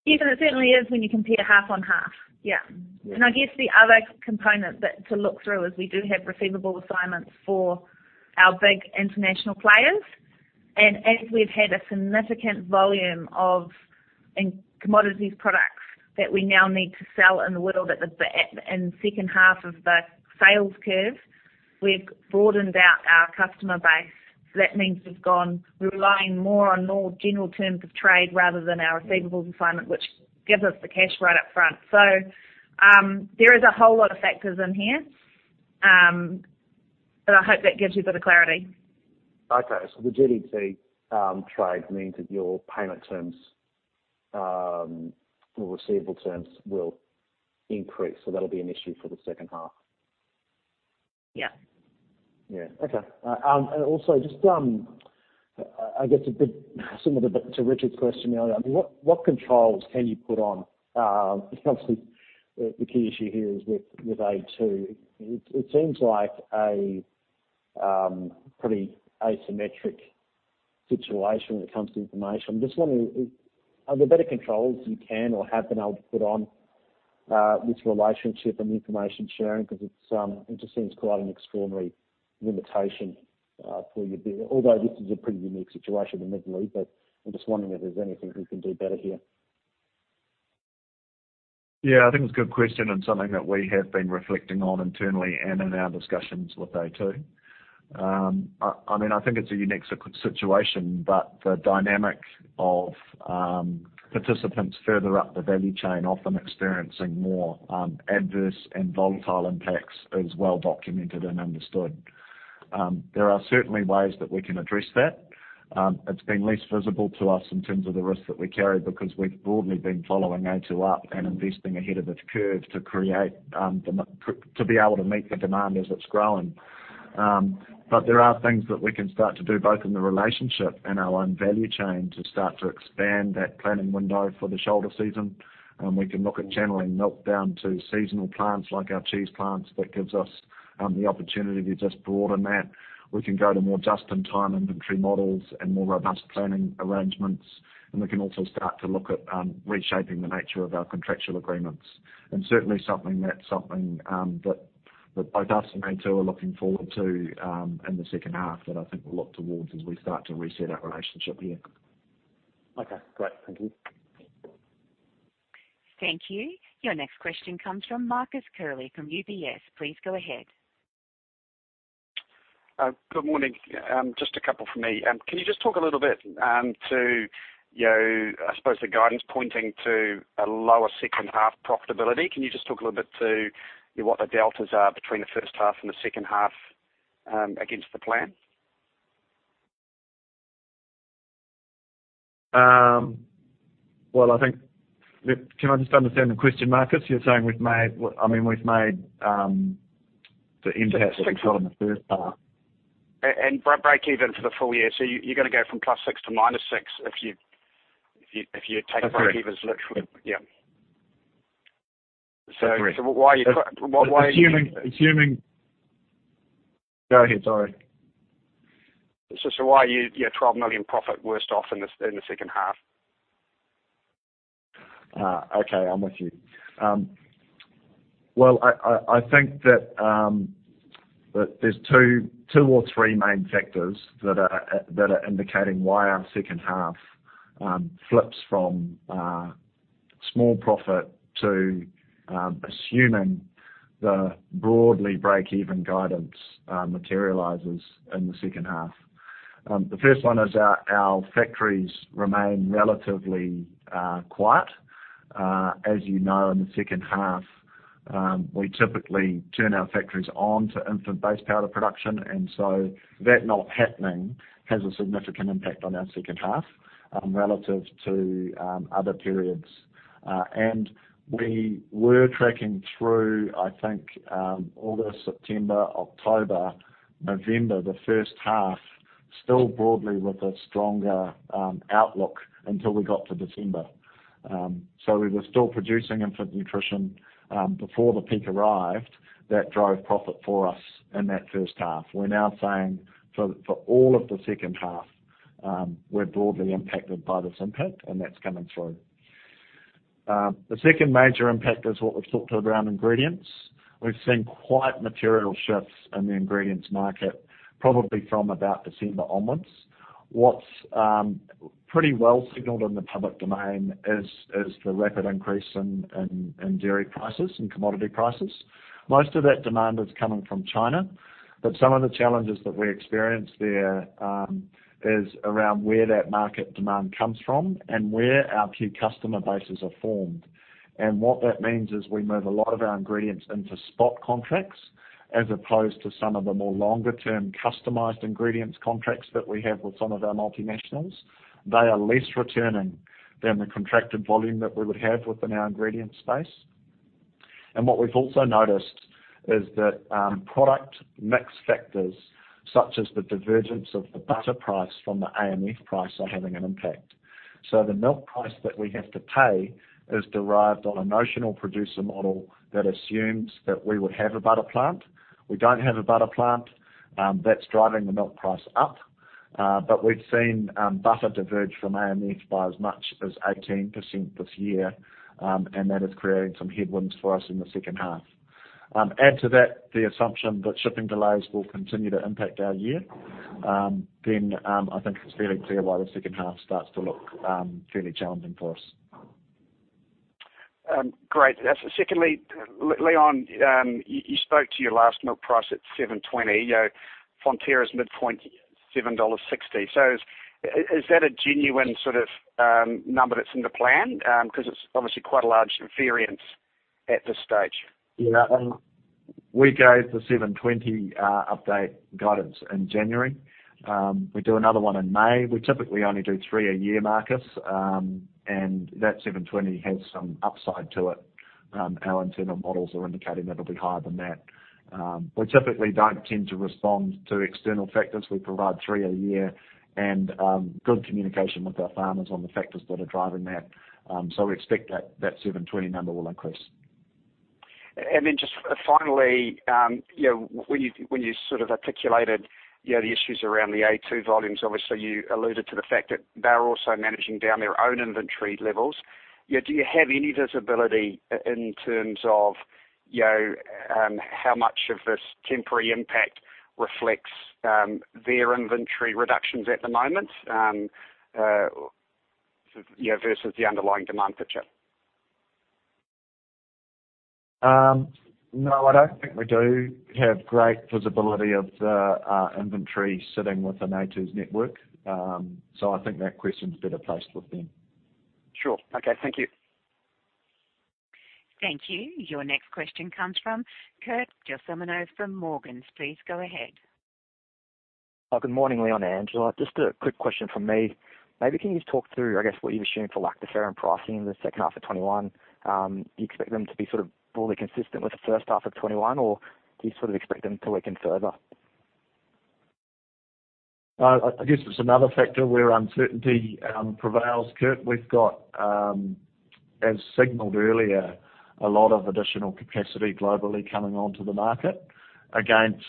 Yes. It certainly is when you compare half on half. Yeah. Yeah. I guess the other component that to look through is we do have receivable assignments for our big international players. As we've had a significant volume of commodities products that we now need to sell in the world in the second half of the sales curve, we've broadened out our customer base. That means we've gone relying more on more general terms of trade rather than our receivables assignment, which gives us the cash right up front. There is a whole lot of factors in here. I hope that gives you a bit of clarity. Okay. The GDT trade means that your payment terms, or receivable terms, will increase, so that'll be an issue for the second half. Yeah. Yeah. Okay. Also just, I guess a bit similar to Richard's question earlier, what controls can you put on? Obviously, the key issue here is with a2. It seems like a pretty asymmetric situation when it comes to information. Are there better controls you can or have been able to put on this relationship and information sharing? It just seems quite an extraordinary limitation for you, although this is a pretty unique situation in Italy. I'm just wondering if there's anything we can do better here. Yeah, I think it's a good question and something that we have been reflecting on internally and in our discussions with a2. I think it's a unique situation. The dynamic of participants further up the value chain often experiencing more adverse and volatile impacts is well documented and understood. There are certainly ways that we can address that. It's been less visible to us in terms of the risk that we carry because we've broadly been following a2 up and investing ahead of its curve to be able to meet the demand as it's growing. There are things that we can start to do, both in the relationship and our own value chain, to start to expand that planning window for the shoulder season. We can look at channeling milk down to seasonal plants like our cheese plants. That gives us the opportunity to just broaden that. We can go to more just-in-time inventory models and more robust planning arrangements, and we can also start to look at reshaping the nature of our contractual agreements. Certainly that's something that both us and a2 are looking forward to in the second half that I think we'll look towards as we start to reset our relationship here. Okay, great. Thank you. Thank you. Your next question comes from Marcus Curley from UBS. Please go ahead. Good morning. Just a couple from me. Can you just talk a little bit to, I suppose, the guidance pointing to a lower second half profitability? Can you just talk a little bit to what the deltas are between the first half and the second half against the plan? Well, can I just understand the question, Marcus? You're saying we've made the impact that we've got in the first half. Break even for the full year. You're going to go from plus six to minus six if you take break evens literally. Yeah. Correct. So why are you- Go ahead, sorry. Why are you 12 million profit worse off in the second half? Okay, I'm with you. Well, I think that there's two or three main factors that are indicating why our second half flips from small profit to assuming the broadly break-even guidance materializes in the second half. The first one is our factories remain relatively quiet. As you know, in the second half, we typically turn our factories on to infant base powder production, and so that not happening has a significant impact on our second half relative to other periods. We were tracking through, I think, August, September, October, November, the first half, still broadly with a stronger outlook until we got to December. We were still producing infant nutrition before the peak arrived that drove profit for us in that first half. We're now saying for all of the second half, we're broadly impacted by this impact, and that's coming through. The second major impact is what we've talked to around ingredients. We've seen quite material shifts in the ingredients market, probably from about December onwards. What's pretty well signaled in the public domain is the rapid increase in dairy prices and commodity prices. Most of that demand is coming from China, but some of the challenges that we experience there is around where that market demand comes from and where our key customer bases are formed. What that means is we move a lot of our ingredients into spot contracts as opposed to some of the more longer-term customized ingredients contracts that we have with some of our multinationals. They are less returning than the contracted volume that we would have within our ingredients space. What we've also noticed is that product mix factors, such as the divergence of the butter price from the AMF price, are having an impact. The milk price that we have to pay is derived on a notional producer model that assumes that we would have a butter plant. We don't have a butter plant. That's driving the milk price up. We've seen butter diverge from AMF by as much as 18% this year, and that is creating some headwinds for us in the second half. Add to that the assumption that shipping delays will continue to impact our year, I think it's fairly clear why the second half starts to look fairly challenging for us. Great. Leon, you spoke to your last milk price at 7.20. Fonterra's midpoint is 7.60. Is that a genuine sort of number that's in the plan? It's obviously quite a large variance at this stage. We gave the 720 update guidance in January. We do another one in May. We typically only do three a year, Marcus. That 720 has some upside to it. Our internal models are indicating that it'll be higher than that. We typically don't tend to respond to external factors. We provide three a year and good communication with our farmers on the factors that are driving that. We expect that 720 number will increase. Just finally, when you articulated the issues around the A2 volumes, obviously you alluded to the fact that they're also managing down their own inventory levels. Do you have any visibility in terms of how much of this temporary impact reflects their inventory reductions at the moment versus the underlying demand picture? No, I don't think we do have great visibility of the inventory sitting with the a2's network. I think that question's better placed with them. Sure. Okay. Thank you. Thank you. Your next question comes from Kurt Gelsomino from Morgans. Please go ahead. Good morning, Leon and Angela. Just a quick question from me. Can you talk through, I guess, what you've assumed for lactoferrin pricing in the second half of 2021? Do you expect them to be broadly consistent with the first half of 2021, or do you expect them to weaken further? I guess it's another factor where uncertainty prevails, Kurt. We've got, as signaled earlier, a lot of additional capacity globally coming onto the market against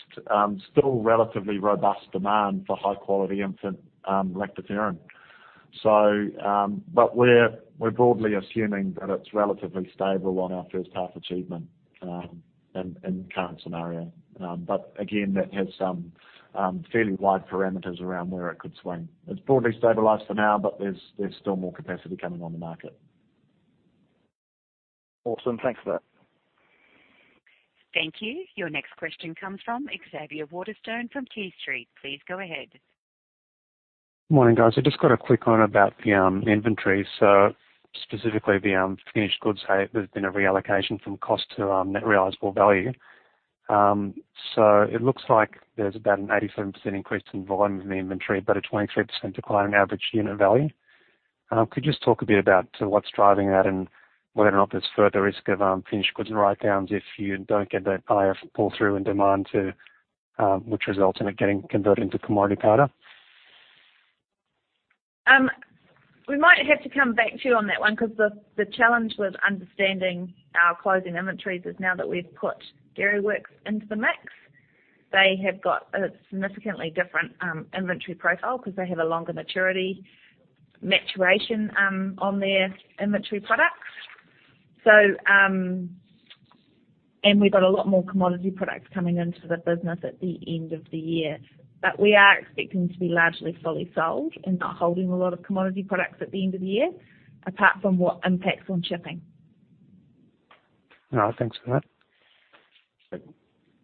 still relatively robust demand for high-quality infant lactoferrin. We're broadly assuming that it's relatively stable on our first half achievement in the current scenario. Again, that has some fairly wide parameters around where it could swing. It's broadly stabilized for now, but there's still more capacity coming on the market. Awesome. Thanks for that. Thank you. Your next question comes from Xavier Waterstone from QuayStreet. Please go ahead. Morning, guys. I've just got a quick one about the inventory, so specifically the finished goods. There's been a reallocation from cost to net realizable value. It looks like there's about an 87% increase in volume in the inventory, but a 23% decline in average unit value. Could you just talk a bit about what's driving that and whether or not there's further risk of finished goods write-downs if you don't get that buyer pull-through in demand, which results in it getting converted into commodity powder? We might have to come back to you on that one because the challenge with understanding our closing inventories is now that we've put Dairyworks into the mix, they have got a significantly different inventory profile because they have a longer maturity maturation on their inventory products. We've got a lot more commodity products coming into the business at the end of the year. We are expecting to be largely fully sold and not holding a lot of commodity products at the end of the year, apart from what impacts on shipping. All right. Thanks for that.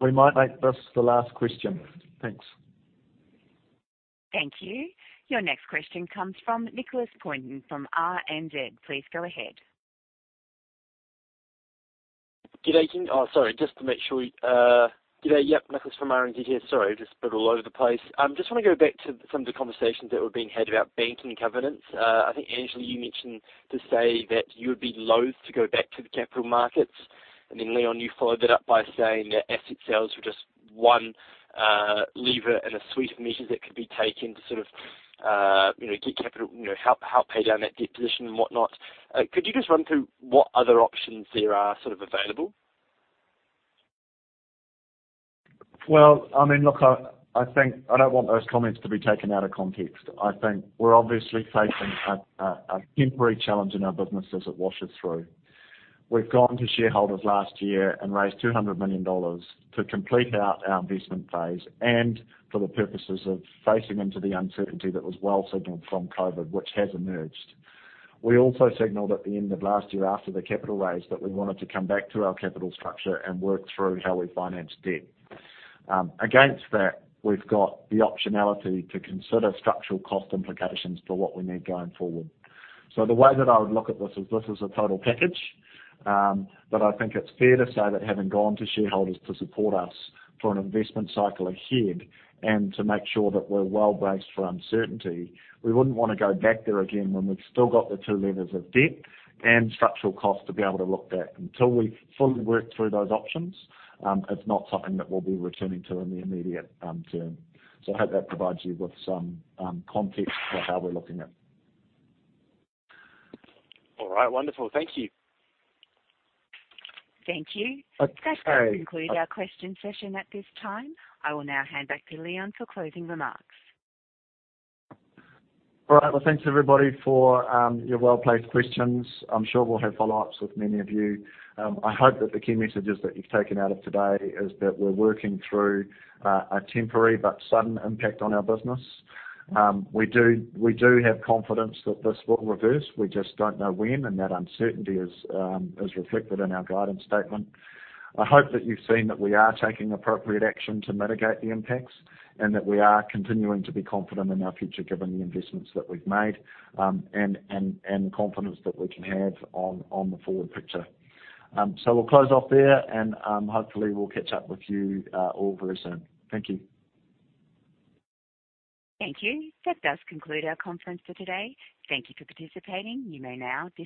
We might make this the last question. Thanks. Thank you. Your next question comes from Nicholas Pointon from RNZ. Please go ahead. Good day, team. Oh, sorry. Good day. Yep. Nicholas from RNZ here. Sorry, just a bit all over the place. Just want to go back to some of the conversations that were being had about banking covenants. I think, Angela, you mentioned to say that you would be loathe to go back to the capital markets. Leon, you followed it up by saying that asset sales were just one lever in a suite of measures that could be taken to help pay down that debt position and whatnot. Could you just run through what other options there are available? Well, look, I think I don't want those comments to be taken out of context. I think we're obviously facing a temporary challenge in our business as it washes through. We've gone to shareholders last year and raised 200 million dollars to complete out our investment phase and for the purposes of facing into the uncertainty that was well signaled from COVID, which has emerged. We also signaled at the end of last year after the capital raise that we wanted to come back to our capital structure and work through how we finance debt. Against that, we've got the optionality to consider structural cost implications for what we need going forward. The way that I would look at this is this is a total package, but I think it's fair to say that having gone to shareholders to support us for an investment cycle ahead and to make sure that we're well-braced for uncertainty, we wouldn't want to go back there again when we've still got the two levers of debt and structural cost to be able to look at. Until we've fully worked through those options, it's not something that we'll be returning to in the immediate term. I hope that provides you with some context for how we're looking at it. All right. Wonderful. Thank you. Thank you. That does conclude our question session at this time. I will now hand back to Leon for closing remarks. Well, thanks, everybody, for your well-placed questions. I'm sure we'll have follow-ups with many of you. I hope that the key messages that you've taken out of today is that we're working through a temporary but sudden impact on our business. We do have confidence that this will reverse. We just don't know when, and that uncertainty is reflected in our guidance statement. I hope that you've seen that we are taking appropriate action to mitigate the impacts and that we are continuing to be confident in our future given the investments that we've made and the confidence that we can have on the forward picture. We'll close off there and hopefully we'll catch up with you all very soon. Thank you. Thank you. That does conclude our conference for today. Thank you for participating.